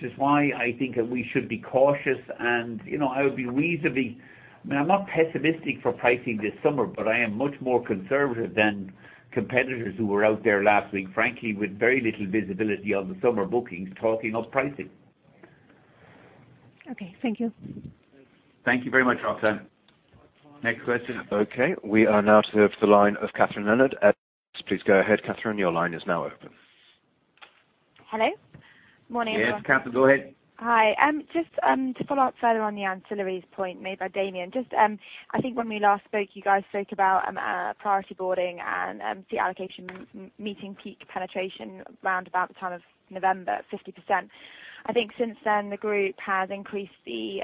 is why I think that we should be cautious and I would be reasonably. I mean, I'm not pessimistic for pricing this summer; I am much more conservative than competitors who were out there last week, frankly, with very little visibility on the summer bookings, talking up pricing. Okay. Thank you. Thank you very much, Ruxan. Next question. Okay, we are now to the line of Catherine Leonard at. Please go ahead, Catherine, your line is now open. Hello. Morning. Yes, Catherine, go ahead. Hi. I think when we last spoke, you guys spoke about priority boarding and seat allocation meeting peak penetration round about the time of November at 50%. I think since then, the group has increased the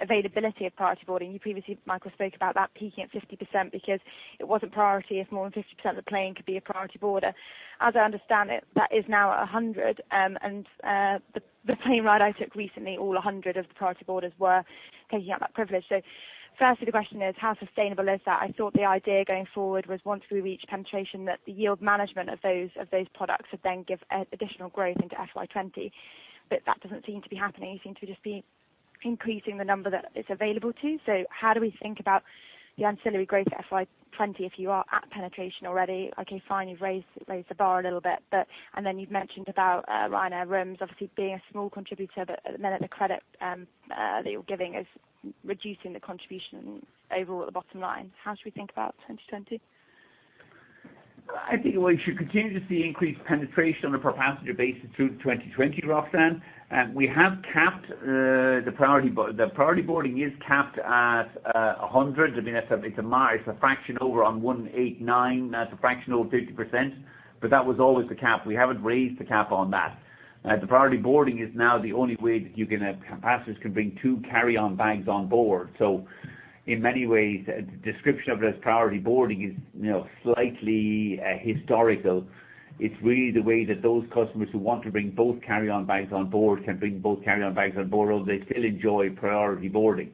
availability of priority boarding. You previously, Michael, spoke about that peaking at 50% because it wasn't priority if more than 50% of the plane could be a priority boarder. As I understand it, that is now 100, and the plane ride I took recently, all 100 of the priority boarders were taking up that privilege. Firstly, the question is how sustainable is that? I thought the idea going forward was once we reach penetration, that the yield management of those products would then give additional growth into FY 2020. That doesn't seem to be happening. You seem to just be increasing the number that it's available to. How do we think about the ancillary growth at FY 2020 if you are at penetration already? Okay, fine, you've raised the bar a little bit. Then you've mentioned about Ryanair Rooms obviously being a small contributor, but then at the credit that you're giving is reducing the contribution overall at the bottom line. How should we think about 2020? I think we should continue to see increased penetration on a per passenger basis through to 2020, Ruxan. The priority boarding is capped at 100. I mean, it's a fraction over on 189. That's a fraction over 50%, but that was always the cap. We haven't raised the cap on that. The priority boarding is now the only way that passengers can bring two carry-on bags on board. In many ways, the description of it as priority boarding is slightly historical. It's really the way that those customers who want to bring both carry-on bags on board can bring both carry-on bags on board, although they still enjoy priority boarding.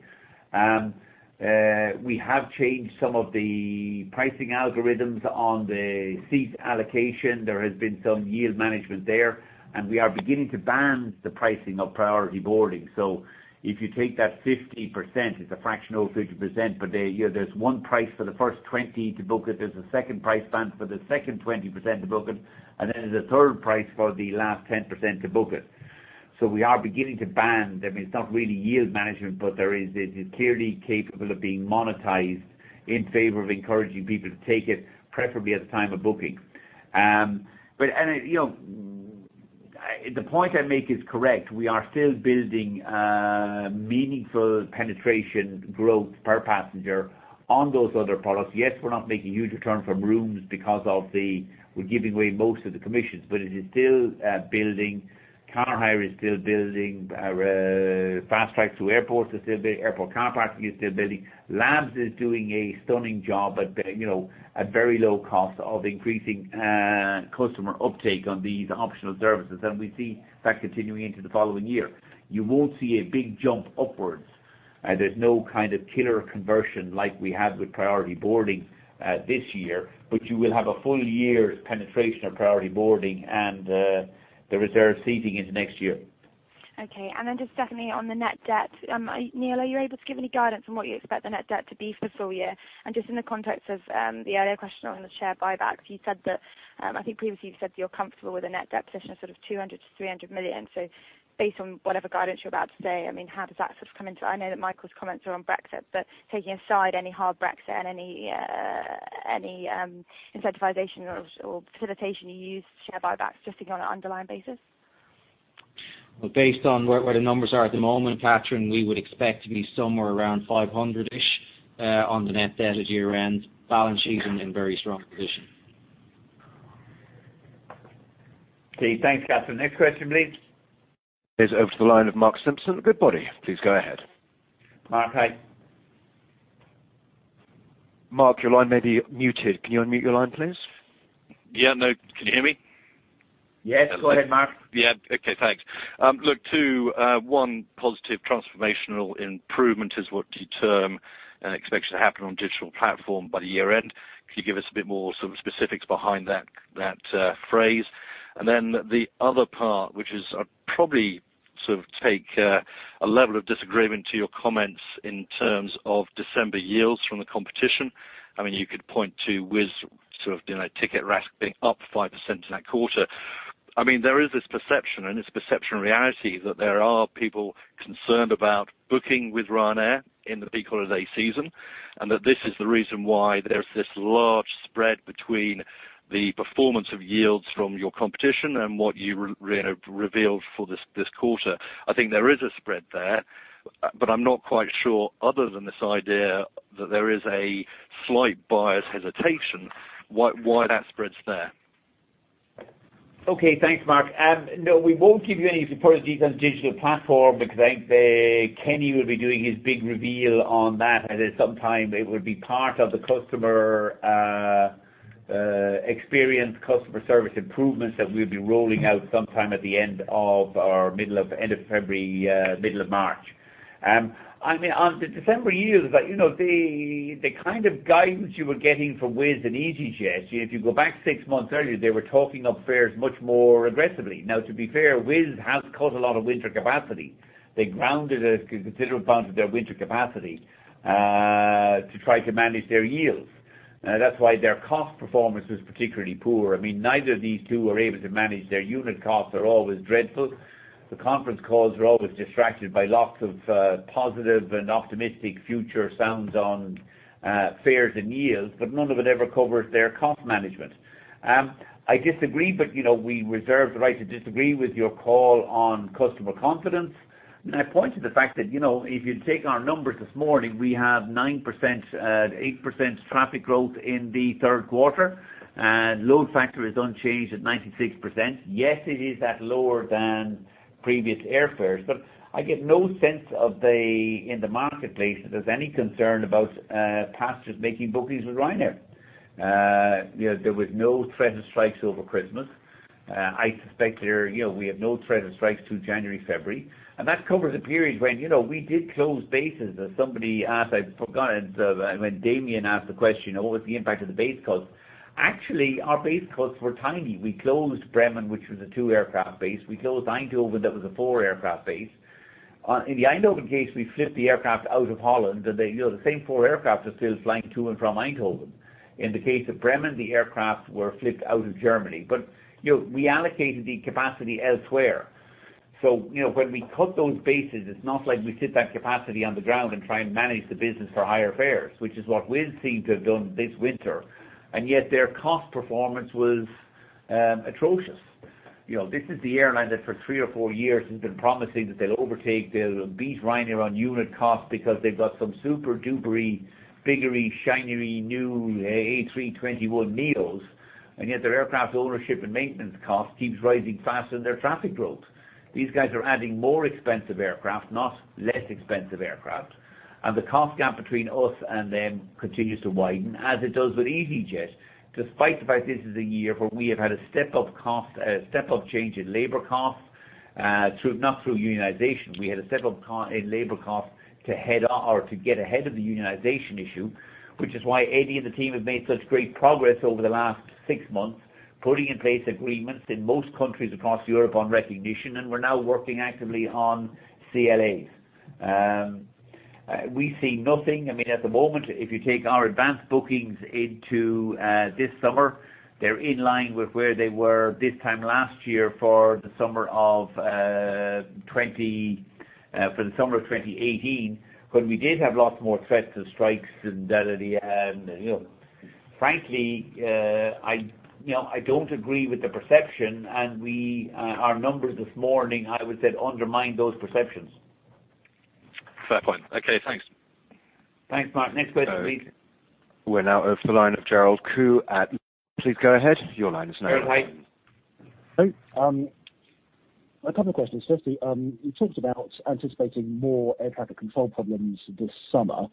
We have changed some of the pricing algorithms on the seat allocation. There has been some yield management there, and we are beginning to band the pricing of priority boarding. If you take that 50%, it's a fraction over 50%, but there's one price for the first 20 to book it, there's a second price band for the second 20% to book it, and then there's a third price for the last 10% to book it. We are beginning to band. I mean, it's not really yield management, but it is clearly capable of being monetized in favor of encouraging people to take it, preferably at the time of booking. The point I make is correct. We are still building meaningful penetration growth per passenger on those other products. Yes, we're not making huge return from Rooms because we're giving away most of the commissions, but it is still building. Car hire is still building. Fast Track through airports is still building. Airport car parking is still building. Labs is doing a stunning job at very low cost of increasing customer uptake on these optional services. We see that continuing into the following year. You won't see a big jump upwards. There's no kind of killer conversion like we had with priority boarding this year. You will have a full year's penetration of priority boarding and the reserve seating into next year. Okay. Then just definitely on the net debt. Neil, are you able to give any guidance on what you expect the net debt to be for the full year? Just in the context of the earlier question on the share buybacks, I think previously you've said that you're comfortable with a net debt position of sort of 200 million-300 million. Based on whatever guidance you're about to say, how does that sort of come into. I know that Michael's comments are on Brexit, but taking aside any hard Brexit and any incentivization or facilitation, you use share buybacks just to give on an underlying basis. Based on where the numbers are at the moment, Catherine, we would expect to be somewhere around 500 million-ish on the net debt at year-end. Balance sheet in very strong position. Okay, thanks, Catherine. Next question, please. Is over to the line of Mark Simpson at Goodbody. Please go ahead. Mark. Hi. Mark, your line may be muted. Can you unmute your line, please? Yeah. No. Can you hear me? Yes. Go ahead, Mark. Yeah. Okay. Thanks. Look to one positive transformational improvement is what you term and expect to happen on digital platform by the year-end. Could you give us a bit more sort of specifics behind that phrase? The other part, which is I probably sort of take a level of disagreement to your comments in terms of December yields from the competition. You could point to Wizz sort of doing a ticket, RASK being up 5% in that quarter. There is this perception, and it's perception reality that there are people concerned about booking with Ryanair in the peak holiday season, and that this is the reason why there's this large spread between the performance of yields from your competition and what you revealed for this quarter. I think there is a spread there, I'm not quite sure, other than this idea that there is a slight buyer's hesitation, why that spread's there. Thanks, Mark. We won't give you any further details on digital platform because I think Kenny will be doing his big reveal on that at some time. It will be part of the customer experience, customer service improvements that we'll be rolling out sometime at the end of February, middle of March. On the December yields, the kind of guidance you were getting from Wizz and EasyJet, if you go back six months earlier, they were talking up fares much more aggressively. To be fair, Wizz has cut a lot of winter capacity. They grounded a considerable amount of their winter capacity to try to manage their yields. That's why their cost performance was particularly poor. Neither of these two were able to manage their unit costs are always dreadful. The conference calls were always distracted by lots of positive and optimistic future sounds on fares and yields. None of it ever covers their cost management. I disagree, but we reserve the right to disagree with your call on customer confidence. I point to the fact that, if you take our numbers this morning, we have 9%, 8% traffic growth in the third quarter, and load factor is unchanged at 96%. Yes, it is at lower than previous airfares, but I get no sense of in the marketplace that there's any concern about passengers making bookings with Ryanair. There was no threat of strikes over Christmas. I suspect we have no threat of strikes through January, February. That covers a period when we did close bases, as somebody asked, I've forgotten. When Damian asked the question, what was the impact of the base cost? Our base costs were tiny. We closed Bremen, which was a two-aircraft base. We closed Eindhoven, that was a four-aircraft base. In the Eindhoven case, we flipped the aircraft out of Holland, and the same four aircraft are still flying to and from Eindhoven. In the case of Bremen, the aircraft were flipped out of Germany. We allocated the capacity elsewhere. When we cut those bases, it's not like we sit that capacity on the ground and try and manage the business for higher fares, which is what Wizz seemed to have done this winter. Yet their cost performance was atrocious. This is the airline that for three or four years has been promising that they'll overtake, they'll beat Ryanair on unit cost because they've got some super-dupery, biggery, shinery new A321neos. Yet their aircraft ownership and maintenance cost keeps rising faster than their traffic growth. These guys are adding more expensive aircraft, not less expensive aircraft. The cost gap between us and them continues to widen, as it does with EasyJet. Despite the fact this is a year where we have had a step-up change in labor cost, not through unionization. We had a step-up in labor cost to get ahead of the unionization issue, which is why Eddie and the team have made such great progress over the last six months, putting in place agreements in most countries across Europe on recognition, and we're now working actively on CLAs. We see nothing. At the moment, if you take our advanced bookings into this summer, they're in line with where they were this time last year for the summer of 2018, when we did have lots more threats of strikes and the other. Frankly, I don't agree with the perception, and our numbers this morning, I would say, undermine those perceptions. Fair point. Okay, thanks. Thanks, Mark. Next question, please. We're now over to the line of Gerald Khoo. Please go ahead. Your line is now open. Gerald. Hi. Hey. A couple of questions. You talked about anticipating more air traffic control problems this summer,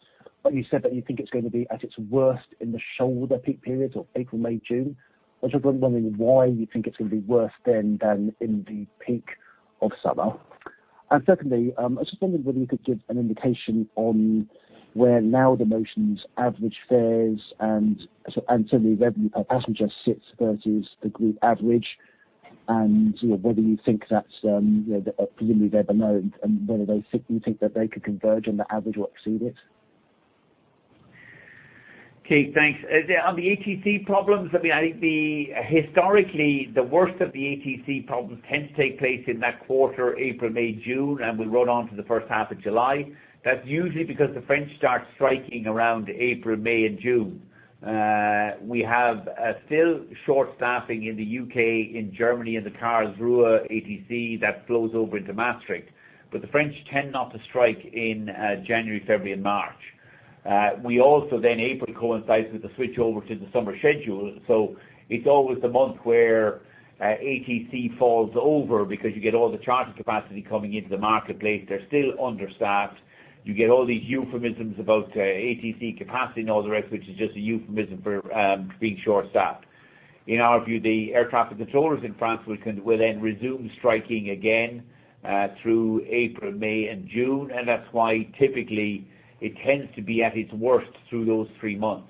but you said that you think it's going to be at its worst in the shoulder peak periods of April, May, June. I'm just wondering why you think it's going to be worse than in the peak of summer? Secondly, I was just wondering whether you could give an indication on where Laudamotion's average fares and ancillary revenue per passenger sits versus the group average, and whether you think that's presumably they're below, and whether you think that they could converge on the average or exceed it? Okay, thanks. On the ATC problems, I think historically, the worst of the ATC problems tend to take place in that quarter, April, May, June, and will run on to the first half of July. That's usually because the French start striking around April, May, and June. We have still short staffing in the U.K., in Germany, in the Karlsruhe ATC that flows over into Maastricht, but the French tend not to strike in January, February, and March. Also, April coincides with the switchover to the summer schedule, so it's always the month where ATC falls over because you get all the charter capacity coming into the marketplace. They're still understaffed. You get all these euphemisms about ATC capacity and all the rest, which is just a euphemism for being short-staffed. In our view, the air traffic controllers in France will then resume striking again through April, May, and June. That's why typically it tends to be at its worst through those three months.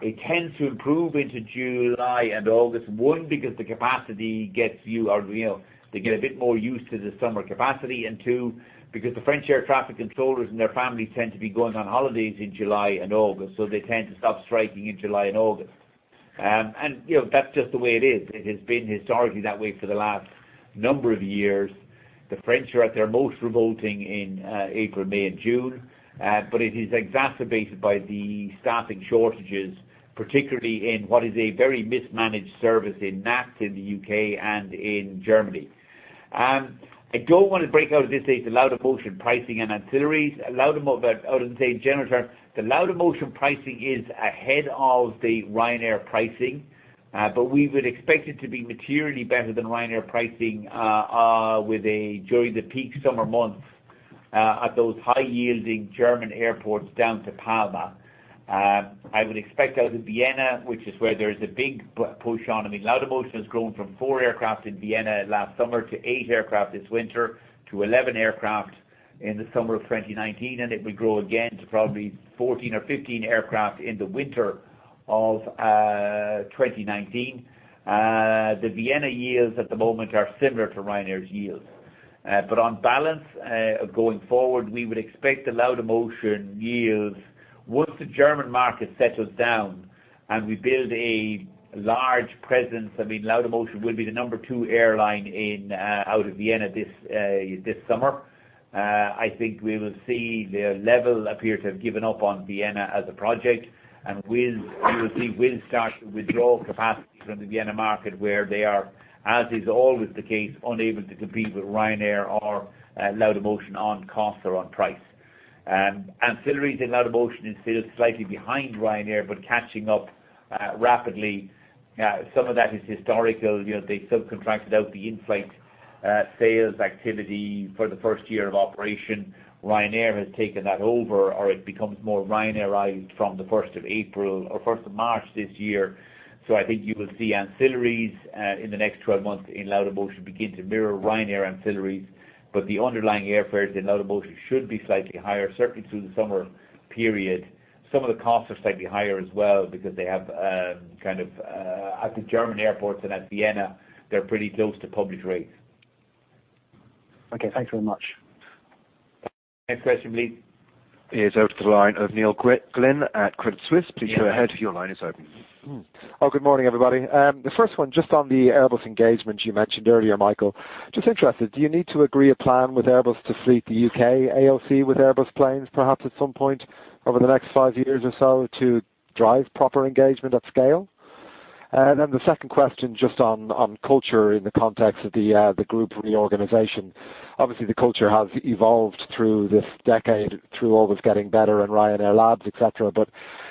It tends to improve into July and August, one, because the capacity They get a bit more used to the summer capacity, and two, because the French air traffic controllers and their families tend to be going on holidays in July and August, so they tend to stop striking in July and August. That's just the way it is. It has been historically that way for the last number of years. The French are at their most revolting in April, May, and June. It is exacerbated by the staffing shortages, particularly in what is a very mismanaged service in NATS in the U.K. and in Germany. I don't want to break out this as the Laudamotion pricing and ancillaries. Laudamotion, I would say in general term, the Laudamotion pricing is ahead of the Ryanair pricing. We would expect it to be materially better than Ryanair pricing during the peak summer months, at those high-yielding German airports down to Palma. I would expect out of Vienna, which is where there is a big push on. I mean, Laudamotion has grown from four aircraft in Vienna last summer to eight aircraft this winter, to 11 aircraft in the summer of 2019, and it will grow again to probably 14 or 15 aircraft in the winter of 2019. The Vienna yields at the moment are similar to Ryanair's yields. On balance of going forward, we would expect the Laudamotion yields once the German market settles down and we build a large presence. Laudamotion will be the number two airline out of Vienna this summer. I think we will see their LEVEL appear to have given up on Vienna as a project, and you will see Wizz start to withdraw capacity from the Vienna market, where they are, as is always the case, unable to compete with Ryanair or Laudamotion on cost or on price. Ancillaries in Laudamotion is still slightly behind Ryanair, but catching up rapidly. Some of that is historical. They subcontracted out the in-flight sales activity for the first year of operation. Ryanair has taken that over, or it becomes more Ryanair-ized from the 1st of April or 1st of March this year. I think you will see ancillaries in the next 12 months in Laudamotion begin to mirror Ryanair ancillaries, but the underlying airfares in Laudamotion should be slightly higher, certainly through the summer period. Some of the costs are slightly higher as well because they have at the German airports and at Vienna, they're pretty close to public rates. Okay, thanks very much. Next question, Lee. Is over to the line of Neil Glynn at Credit Suisse. Please go ahead. Your line is open. Good morning, everybody. The first one, just on the Airbus engagement you mentioned earlier, Michael. Just interested, do you need to agree a plan with Airbus to fleet the U.K. AOC with Airbus planes, perhaps at some point over the next five years or so to drive proper engagement at scale? The second question, just on culture in the context of the group or the organization. Obviously, the culture has evolved through this decade through Always Getting Better and Ryanair Labs, et cetera, but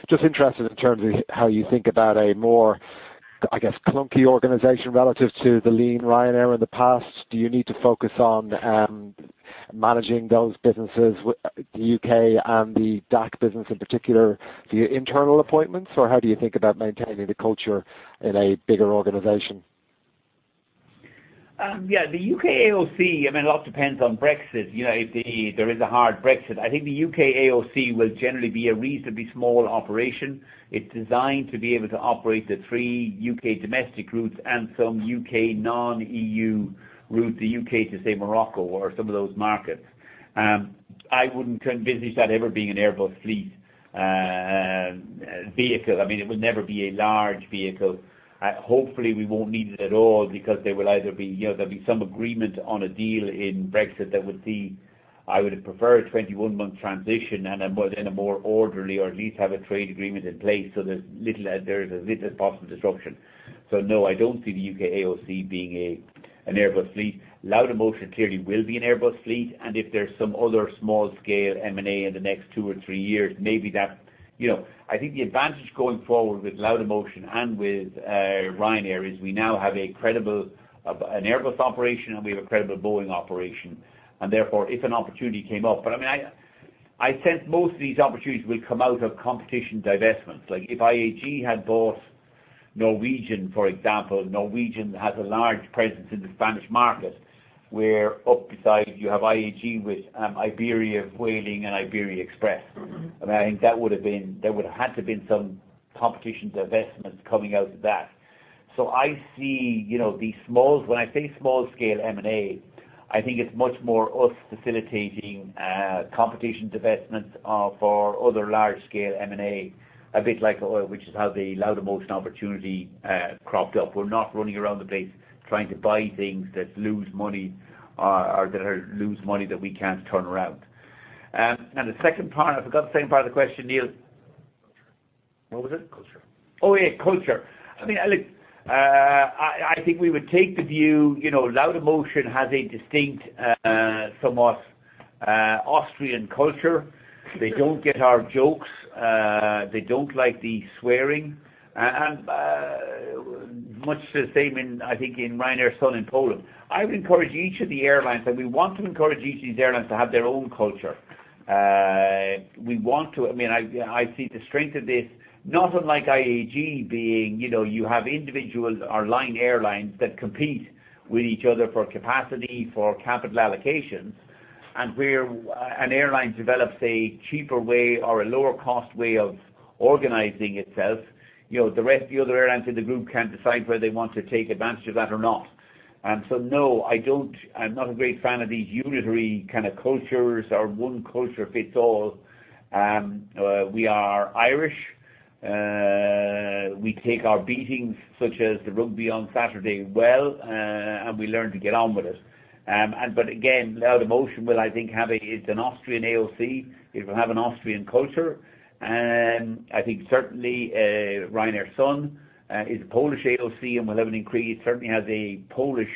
just interested in terms of how you think about a more, I guess, clunky organization relative to the lean Ryanair in the past. Do you need to focus on managing those businesses, the U.K. and the DAC business in particular, via internal appointments? How do you think about maintaining the culture in a bigger organization? Yeah. The U.K. AOC, a lot depends on Brexit. If there is a hard Brexit, I think the U.K. AOC will generally be a reasonably small operation. It's designed to be able to operate the three U.K. domestic routes and some U.K. non-EU routes. The U.K. to, say, Morocco or some of those markets. I wouldn't envisage that ever being an Airbus fleet vehicle. It would never be a large vehicle. Hopefully, we won't need it at all because there'll be some agreement on a deal in Brexit. I would have preferred a 21-month transition and then a more orderly or at least have a trade agreement in place so there's as little as possible disruption. No, I don't see the U.K. AOC being an Airbus fleet. Laudamotion clearly will be an Airbus fleet, and if there's some other small-scale M&A in the next two or three years, maybe that. I think the advantage going forward with Laudamotion and with Ryanair is we now have a credible Airbus operation, and we have a credible Boeing operation, and therefore, if an opportunity came up, I sense most of these opportunities will come out of competition divestments. Like if IAG had bought Norwegian, for example. Norwegian has a large presence in the Spanish market, where up beside you have IAG with Iberia, Vueling, and Iberia Express. I think there would've had to been some competition divestments coming out of that. I see the small. When I say small-scale M&A, I think it's much more us facilitating competition divestments for other large-scale M&A. A bit like oil, which is how the Laudamotion opportunity cropped up. We're not running around the place trying to buy things that lose money, or that lose money that we can't turn around. The second part, I forgot the second part of the question, Neil. Culture. What was it? Culture. Oh, yeah. Culture. I think we would take the view, Laudamotion has a distinct, somewhat Austrian culture. They don't get our jokes. They don't like the swearing. Much the same, I think, in Ryanair Sun and Poland. I would encourage each of the airlines, we want to encourage each of these airlines to have their own culture. We want to. I see the strength of this, not unlike IAG being, you have individuals or line airlines that compete with each other for capacity, for capital allocations. Where an airline develops a cheaper way or a lower-cost way of organizing itself, the rest of the other airlines in the group can decide whether they want to take advantage of that or not. No, I'm not a great fan of these unitary kind of cultures or one culture fits all. We are Irish. We take our beatings, such as the rugby on Saturday, well, we learn to get on with it. Again, Laudamotion will, I think, have a It's an Austrian AOC. It will have an Austrian culture. I think certainly, Ryanair Sun is a Polish AOC and certainly has a Polish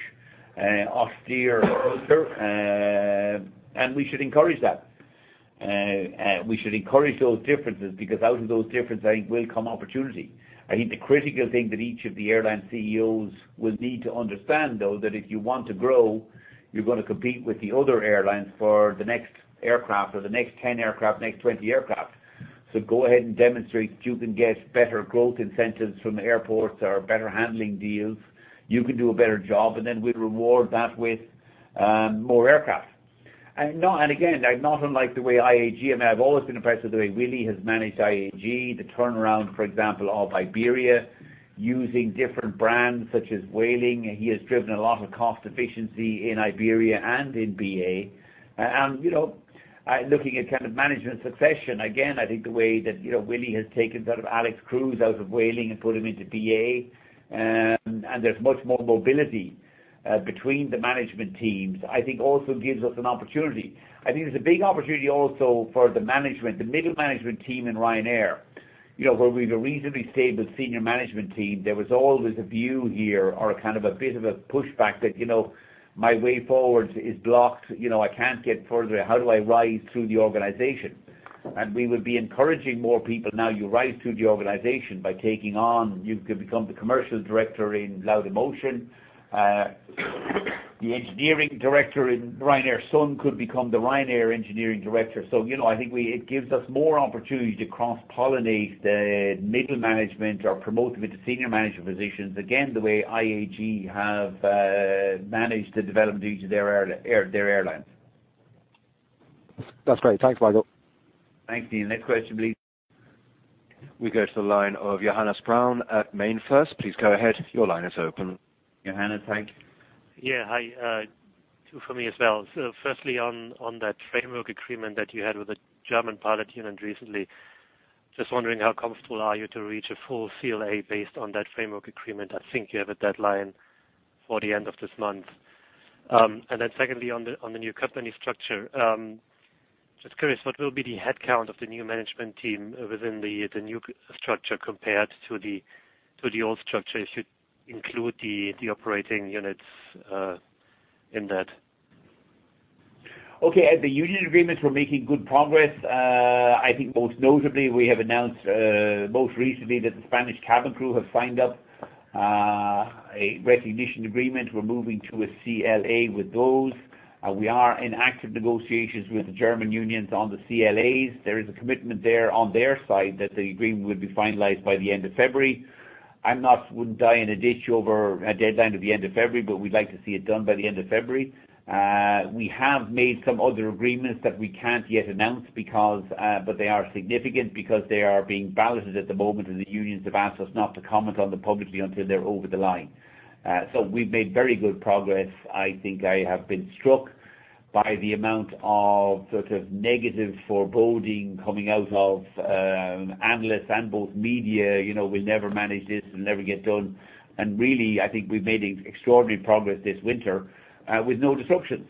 austere culture, and we should encourage that. We should encourage those differences, because out of those differences, I think, will come opportunity. I think the critical thing that each of the airline CEOs will need to understand, though, that if you want to grow, you're going to compete with the other airlines for the next aircraft or the next 10 aircraft, next 20 aircraft. Go ahead and demonstrate that you can get better growth incentives from airports or better handling deals. You can do a better job, we'll reward that with more aircraft. Again, not unlike the way IAG, I mean, I've always been impressed with the way Willie has managed IAG. The turnaround, for example, of Iberia, using different brands such as Vueling. He has driven a lot of cost efficiency in Iberia and in BA. Looking at kind of management succession, again, I think the way that Willie has taken Álex Cruz out of Vueling and put him into BA. There's much more mobility between the management teams, I think also gives us an opportunity. I think there's a big opportunity also for the management, the middle management team in Ryanair. Where we've a reasonably stable senior management team, there was always a view here or a kind of a bit of a pushback that my way forward is blocked. I can't get further. How do I rise through the organization? We would be encouraging more people. Now you rise through the organization by taking on. You could become the commercial director in Laudamotion. The engineering director in Ryanair Sun could become the Ryanair engineering director. I think it gives us more opportunity to cross-pollinate the middle management or promote them into senior management positions. Again, the way IAG have managed to develop each of their airlines. That's great. Thanks, Michael. Thanks, Neil. Next question, please. We go to the line of Johannes Braun at MainFirst. Please go ahead. Your line is open. Johannes, thank you. Hi, two for me as well. Firstly, on that framework agreement that you had with the German pilot union recently. Just wondering how comfortable are you to reach a full CLA based on that framework agreement? I think you have a deadline for the end of this month. Secondly, on the new company structure. Just curious, what will be the headcount of the new management team within the new structure compared to the old structure? It should include the operating units in that. At the union agreements, we're making good progress. I think most notably, we have announced most recently that the Spanish cabin crew have signed up a recognition agreement. We're moving to a CLA with those. We are in active negotiations with the German unions on the CLAs. There is a commitment there on their side that the agreement will be finalized by the end of February. I wouldn't die in a ditch over a deadline at the end of February, but we'd like to see it done by the end of February. We have made some other agreements that we can't yet announce, but they are significant because they are being balloted at the moment, and the unions have asked us not to comment on them publicly until they're over the line. We've made very good progress. I think I have been struck by the amount of sort of negative foreboding coming out of analysts and both media. We'll never manage this. It'll never get done. Really, I think we've made extraordinary progress this winter with no disruptions.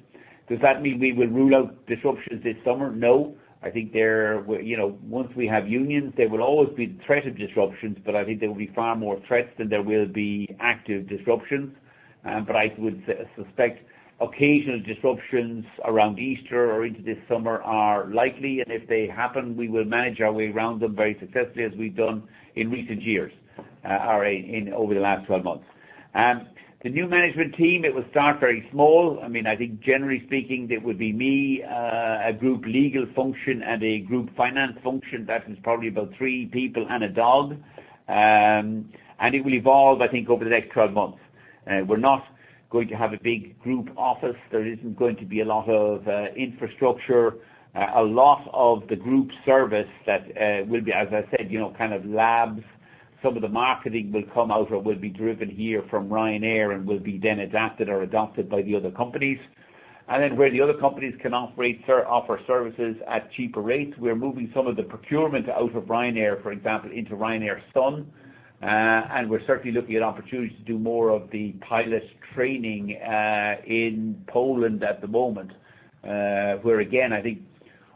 Does that mean we will rule out disruptions this summer? No. I think once we have unions, there will always be the threat of disruptions, but I think there will be far more threats than there will be active disruptions. I would suspect occasional disruptions around Easter or into this summer are likely, and if they happen, we will manage our way around them very successfully as we've done in recent years or over the last 12 months. The new management team, it will start very small. I think generally speaking, it would be me, a group legal function, and a group finance function. That is probably about three people and a dog. It will evolve, I think, over the next 12 months. We're not going to have a big group office. There isn't going to be a lot of infrastructure. A lot of the group service that will be, as I said, kind of labs. Some of the marketing will come out or will be driven here from Ryanair, and will be then adapted or adopted by the other companies. Where the other companies can offer services at cheaper rates, we're moving some of the procurement out of Ryanair, for example, into Ryanair Sun. We're certainly looking at opportunities to do more of the pilot training in Poland at the moment, where again, I think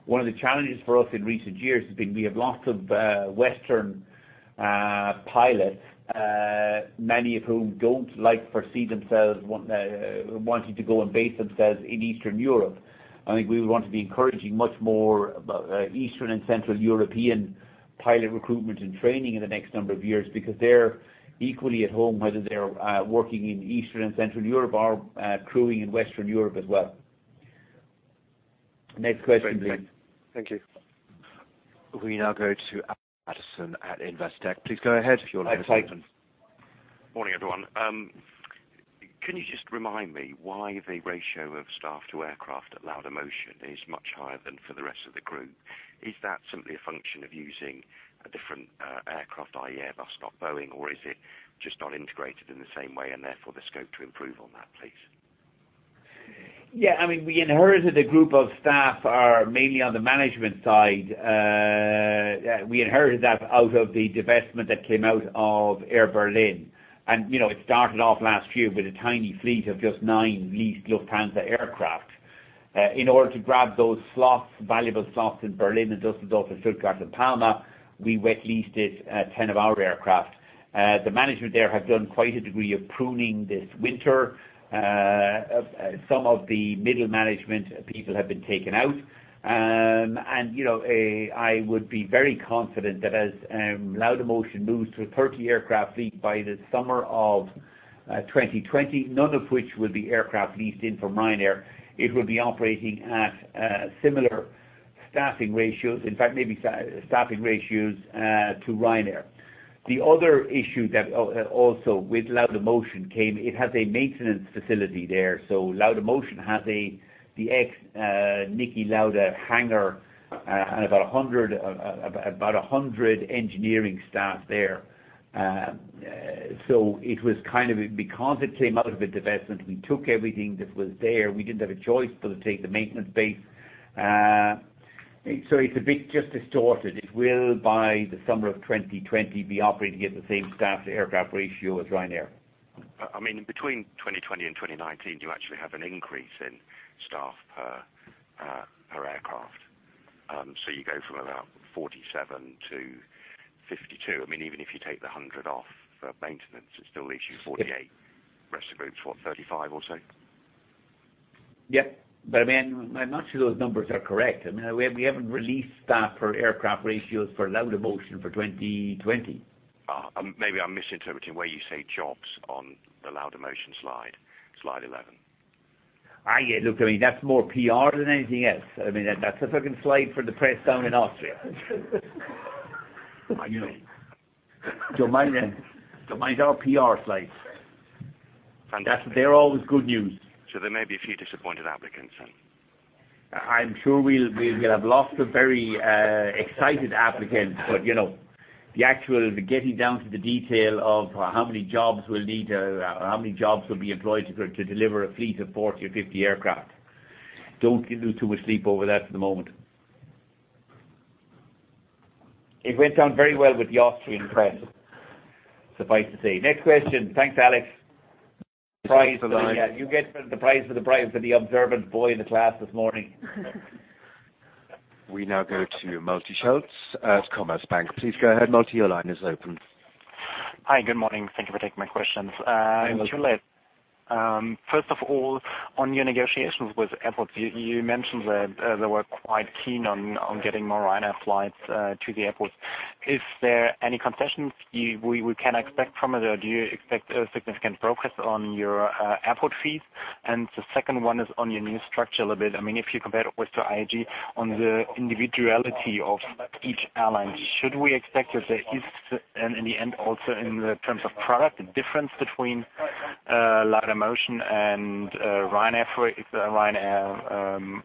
one of the challenges for us in recent years has been we have lots of Western pilots, many of whom don't foresee themselves wanting to go and base themselves in Eastern Europe. I think we would want to be encouraging much more Eastern and Central European pilot recruitment and training in the next number of years because they're equally at home, whether they're working in Eastern and Central Europe or crewing in Western Europe as well. Next question, please. Thank you. We now go to [AUDIO DISTORTION] at Investec. Please go ahead. Your line is open. Hi. Morning, everyone. Can you just remind me why the ratio of staff to aircraft at Laudamotion is much higher than for the rest of the group? Is that simply a function of using a different aircraft, i.e., Airbus, not Boeing, or is it just not integrated in the same way and therefore the scope to improve on that, please? Yeah. We inherited a group of staff, mainly on the management side. We inherited that out of the divestment that came out of Air Berlin. It started off last year with a tiny fleet of just nine leased Lufthansa aircraft. In order to grab those valuable slots in Berlin, Dusseldorf, Stuttgart, and Palma, we wet leased it 10 of our aircraft. The management there have done quite a degree of pruning this winter. Some of the middle management people have been taken out. I would be very confident that as Laudamotion moves to a 30-aircraft fleet by the summer of 2020, none of which will be aircraft leased in from Ryanair, it will be operating at similar staffing ratios. In fact, maybe staffing ratios to Ryanair. The other issue that also with Laudamotion came, it has a maintenance facility there. Laudamotion has the Niki Lauda hangar and about 100 engineering staff there. It was kind of because it came out of a divestment, we took everything that was there. We didn't have a choice but to take the maintenance base. It's a bit just distorted. It will, by the summer of 2020, be operating at the same staff-to-aircraft ratio as Ryanair. In between 2020 and 2019, do you actually have an increase in staff per aircraft? You go from around 47 to 52. Even if you take the 100 off for maintenance, it still leaves you 48. Rest of group's what? 35 or so. Yep. I'm not sure those numbers are correct. We haven't released staff per aircraft ratios for Laudamotion for 2020. Maybe I'm misinterpreting where you say jobs on the Laudamotion slide. Slide 11. Look, that's more PR than anything else. That's a slide for the press down in Austria. I know. Mine are PR slides. Fantastic. They're always good news. There may be a few disappointed applicants then. I'm sure we'll have lots of very excited applicants, but the actual getting down to the detail of how many jobs we'll need or how many jobs will be employed to deliver a fleet of 40 or 50 aircraft. Don't lose too much sleep over that at the moment. It went down very well with the Austrian press, suffice to say. Next question. Thanks, Alex. Thanks for the line. You get the prize for the observant boy in the class this morning. We now go to Malte Schulz at Commerzbank. Please go ahead, Malte. Your line is open. Hi. Good morning. Thank you for taking my questions. You're welcome. First of all, on your negotiations with airports, you mentioned that they were quite keen on getting more Ryanair flights to the airports. Is there any concessions we can expect from it, or do you expect a significant progress on your airport fees? The second one is on your new structure a little bit. If you compare it with IAG on the individuality of each airline, should we expect that there is, in the end, also in the terms of product, a difference between Laudamotion and Ryanair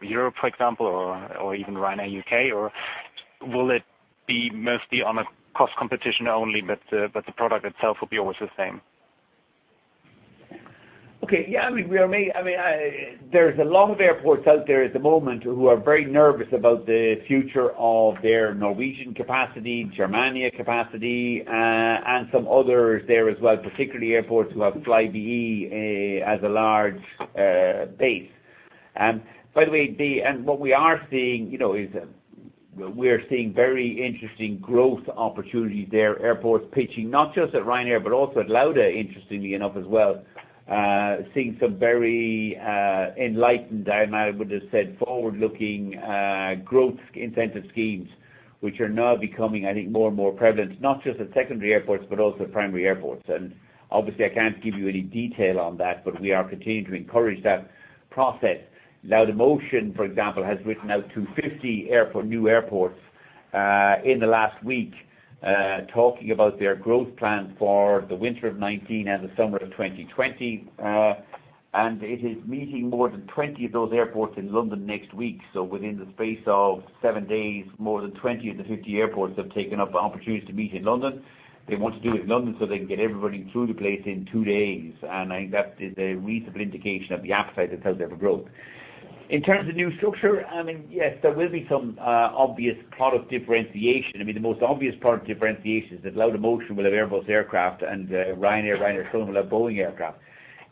Europe, for example, or even Ryanair U.K.? Or will it be mostly on a cost competition only, but the product itself will be always the same? Okay. There's a lot of airports out there at the moment who are very nervous about the future of their Norwegian capacity, Germania capacity, and some others there as well, particularly airports who have Flybe as a large base. By the way, what we are seeing is we are seeing very interesting growth opportunities there. Airports pitching not just at Ryanair, but also at Lauda, interestingly enough, as well. Seeing some very enlightened, I might would have said, forward-looking growth incentive schemes, which are now becoming, I think, more and more prevalent, not just at secondary airports, but also primary airports. Obviously, I can't give you any detail on that, but we are continuing to encourage that process. Laudamotion, for example, has written out to 50 new airports in the last week, talking about their growth plan for the winter of 2019 and the summer of 2020. It is meeting more than 20 of those airports in London next week. Within the space of seven days, more than 20 of the 50 airports have taken up the opportunity to meet in London. They want to do it in London so they can get everybody through the place in two days, and I think that is a reasonable indication of the appetite that they have for growth. In terms of new structure, yes, there will be some obvious product differentiation. The most obvious product differentiation is that Laudamotion will have Airbus aircraft and Ryanair Sun will have Boeing aircraft.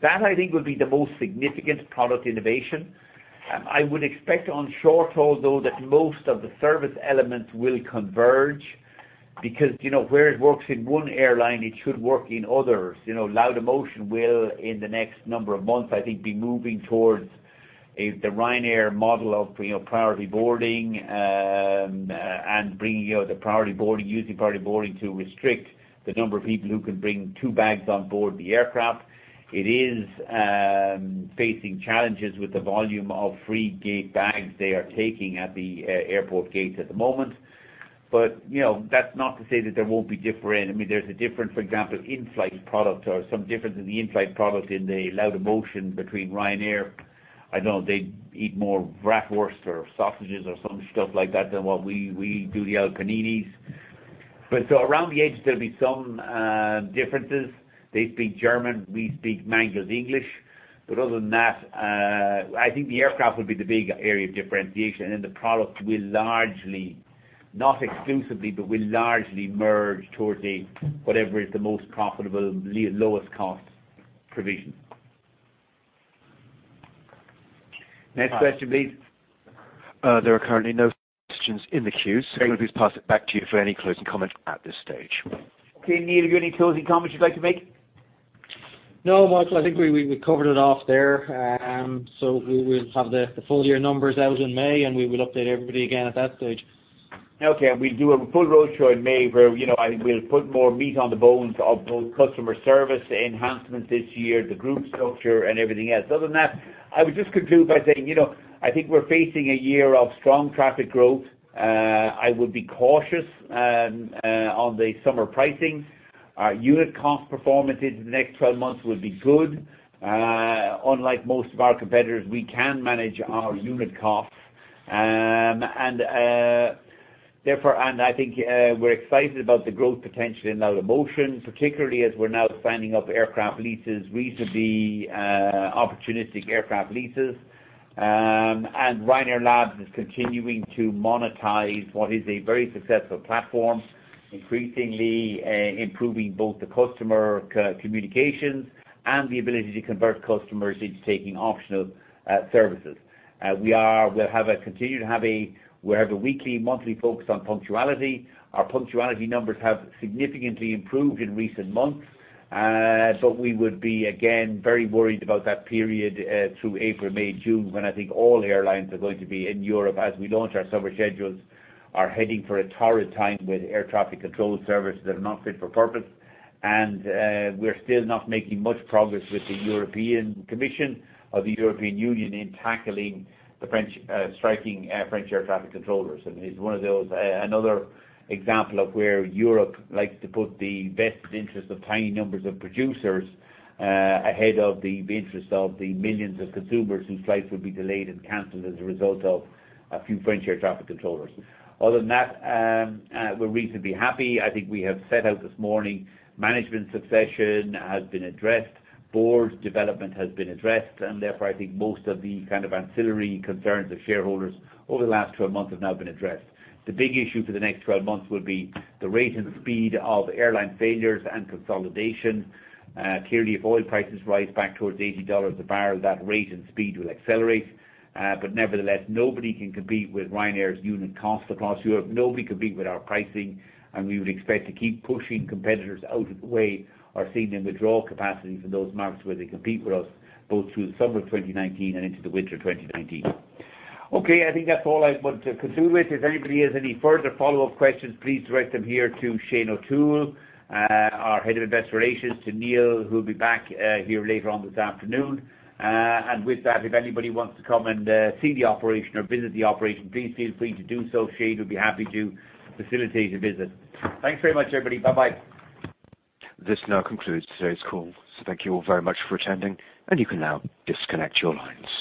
That, I think, will be the most significant product innovation. I would expect on short-haul though, that most of the service elements will converge, because where it works in one airline, it should work in others. Laudamotion will, in the next number of months, I think, be moving towards the Ryanair model of priority boarding, and using priority boarding to restrict the number of people who can bring two bags on board the aircraft. It is facing challenges with the volume of free gate bags they are taking at the airport gates at the moment. That's not to say that there won't be. There's a different, for example, in-flight product or some difference in the in-flight product in the Laudamotion between Ryanair. I know they eat more bratwurst or sausages or some stuff like that than what we do, the old paninis. Around the edges, there'll be some differences. They speak German, we speak mangled English. Other than that, I think the aircraft will be the big area of differentiation, and the product will largely, not exclusively, but will largely merge towards whatever is the most profitable, lowest cost provision. Next question, please. There are currently no questions in the queue. Great. I'll just pass it back to you for any closing comments at this stage. Okay. Neil, have you any closing comments you'd like to make? No, Michael, I think we covered it off there. We'll have the full-year numbers out in May, and we will update everybody again at that stage. Okay, we'll do a full roadshow in May, where I think we'll put more meat on the bones of both customer service enhancements this year, the group structure, and everything else. Other than that, I would just conclude by saying, I think we're facing a year of strong traffic growth. I would be cautious on the summer pricing. Our unit cost performance into the next 12 months will be good. Unlike most of our competitors, we can manage our unit costs. I think we're excited about the growth potential in Laudamotion, particularly as we're now signing up aircraft leases, reasonably opportunistic aircraft leases. Ryanair Labs is continuing to monetize what is a very successful platform, increasingly improving both the customer communications and the ability to convert customers into taking optional services. We'll continue to have a weekly, monthly focus on punctuality. Our punctuality numbers have significantly improved in recent months. We would be, again, very worried about that period through April, May, June, when I think all airlines are going to be in Europe, as we launch our summer schedules, are heading for a torrid time with air traffic control services that are not fit for purpose. We're still not making much progress with the European Commission or the European Union in tackling the striking French air traffic controllers. I mean, it's another example of where Europe likes to put the vested interest of tiny numbers of producers ahead of the interest of the millions of consumers whose flights will be delayed and canceled as a result of a few French air traffic controllers. Other than that, we're reasonably happy. I think we have set out this morning, management succession has been addressed, board development has been addressed, and therefore, I think most of the kind of ancillary concerns of shareholders over the last 12 months have now been addressed. The big issue for the next 12 months will be the rate and speed of airline failures and consolidation. Clearly, if oil prices rise back towards $80 a barrel, that rate and speed will accelerate. Nevertheless, nobody can compete with Ryanair's unit cost across Europe. Nobody can compete with our pricing, and we would expect to keep pushing competitors out of the way or seeing them withdraw capacity from those markets where they compete with us, both through the summer of 2019 and into the winter of 2019. Okay, I think that's all I want to conclude with. If anybody has any further follow-up questions, please direct them here to Shane O'Toole, our Head of Investor Relations, to Neil, who'll be back here later on this afternoon. With that, if anybody wants to come and see the operation or visit the operation, please feel free to do so. Shane would be happy to facilitate a visit. Thanks very much, everybody. Bye-bye. This now concludes today's call. Thank you all very much for attending, and you can now disconnect your lines.